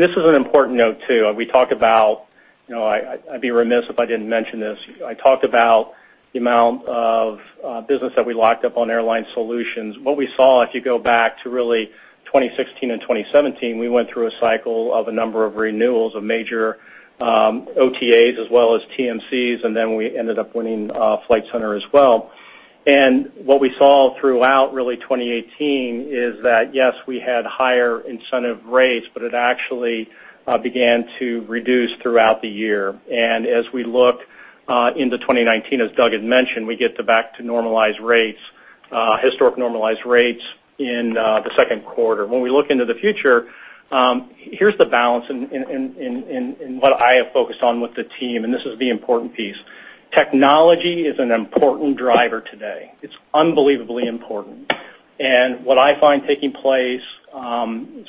This is an important note, too. I'd be remiss if I didn't mention this. I talked about the amount of business that we locked up on Airline Solutions. What we saw, if you go back to really 2016 and 2017, we went through a cycle of a number of renewals of major OTAs as well as TMCs. Then we ended up winning Flight Centre as well. What we saw throughout really 2018 is that, yes, we had higher incentive rates. It actually began to reduce throughout the year. As we look into 2019, as Doug had mentioned, we get back to normalize rates, historic normalized rates in the second quarter. When we look into the future, here's the balance in what I have focused on with the team. This is the important piece. Technology is an important driver today. It's unbelievably important. What I find taking place,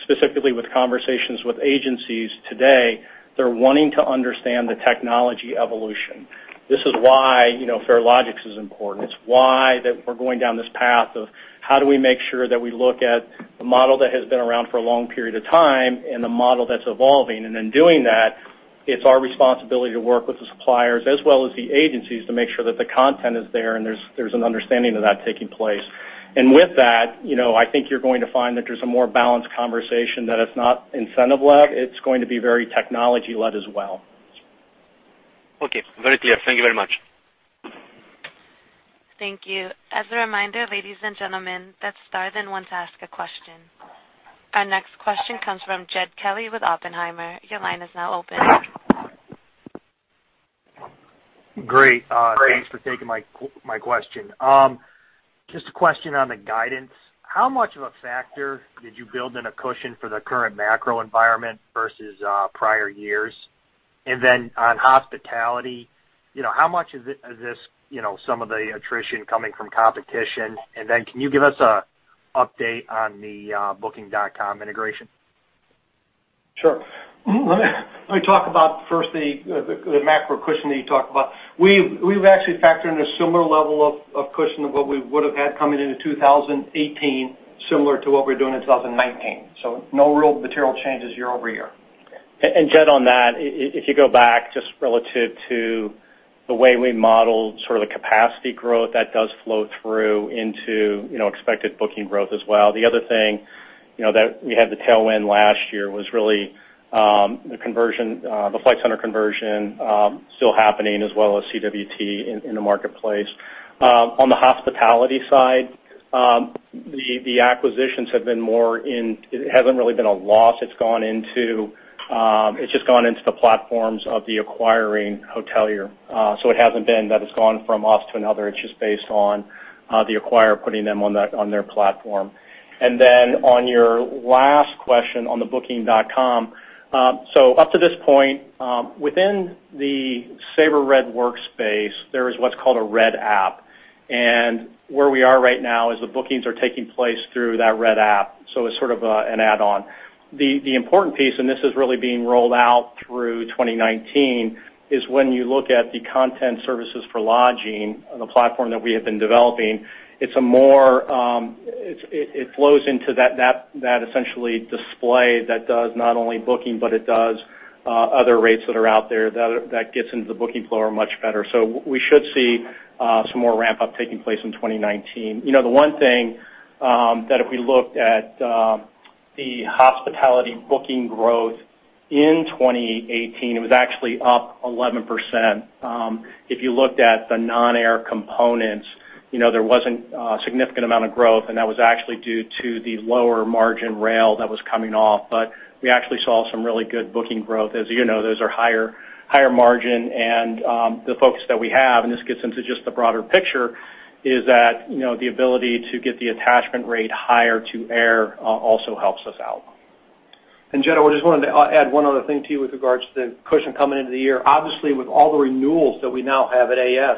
specifically with conversations with agencies today, they're wanting to understand the technology evolution. This is why Farelogix is important. It's why that we're going down this path of how do we make sure that we look at the model that has been around for a long period of time and the model that's evolving. In doing that, it's our responsibility to work with the suppliers as well as the agencies to make sure that the content is there and there's an understanding of that taking place. With that, I think you're going to find that there's a more balanced conversation that it's not incentive-led, it's going to be very technology-led as well. Okay. Very clear. Thank you very much. Thank you. As a reminder, ladies and gentlemen, press star then one to ask a question. Our next question comes from Jed Kelly with Oppenheimer. Your line is now open. Great. Thanks for taking my question. Just a question on the guidance. How much of a factor did you build in a cushion for the current macro environment versus prior years? Then on hospitality, how much is this some of the attrition coming from competition? Then can you give us a update on the Booking.com integration? Sure. Let me talk about first the macro cushion that you talked about. We've actually factored in a similar level of cushion of what we would've had coming into 2018, similar to what we're doing in 2019. No real material changes year-over-year. Jed, on that, if you go back just relative to the way we modeled sort of the capacity growth, that does flow through into expected booking growth as well. The other thing that we had the tailwind last year was really the Flight Centre conversion still happening as well as CWT in the marketplace. On the hospitality side, it hasn't really been a loss. It's just gone into the platforms of the acquiring hotelier. It hasn't been that it's gone from us to another, it's just based on the acquirer putting them on their platform. On your last question on booking.com. Up to this point, within the Sabre Red Workspace, there is what's called a Red App. Where we are right now is the bookings are taking place through that Red App. It's sort of an add-on. The important piece, this is really being rolled out through 2019, is when you look at the content services for lodging on the platform that we have been developing, it flows into that essentially display that does not only booking, but it does other rates that are out there that gets into the booking flow much better. We should see some more ramp-up taking place in 2019. The one thing that if we looked at the hospitality booking growth in 2018, it was actually up 11%. If you looked at the non-air components, there wasn't a significant amount of growth, that was actually due to the lower margin rail that was coming off. We actually saw some really good booking growth. As you know, those are higher margin, the focus that we have, and this gets into just the broader picture, is that the ability to get the attachment rate higher to air also helps us out. Jed, I just wanted to add one other thing to you with regards to the cushion coming into the year. Obviously, with all the renewals that we now have at AS,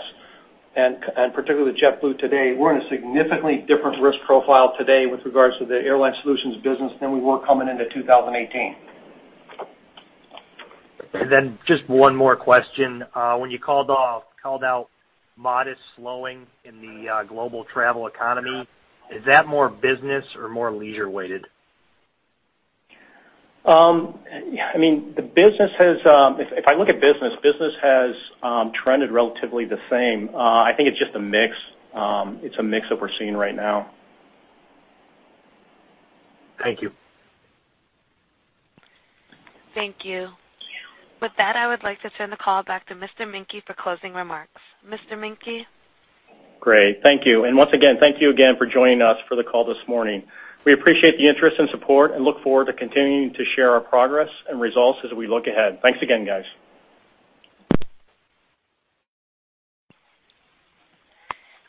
and particularly with JetBlue today, we're in a significantly different risk profile today with regards to the Sabre Airline Solutions business than we were coming into 2018. Just one more question. When you called out modest slowing in the global travel economy, is that more business or more leisure weighted? I mean, if I look at business has trended relatively the same. I think it's just a mix. It's a mix that we're seeing right now. Thank you. Thank you. With that, I would like to turn the call back to Mr. Menke for closing remarks. Mr. Menke? Great. Thank you. Once again, thank you again for joining us for the call this morning. We appreciate the interest and support and look forward to continuing to share our progress and results as we look ahead. Thanks again, guys.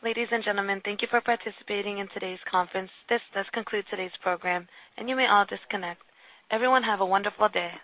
Ladies and gentlemen, thank you for participating in today's conference. This does conclude today's program, and you may all disconnect. Everyone, have a wonderful day.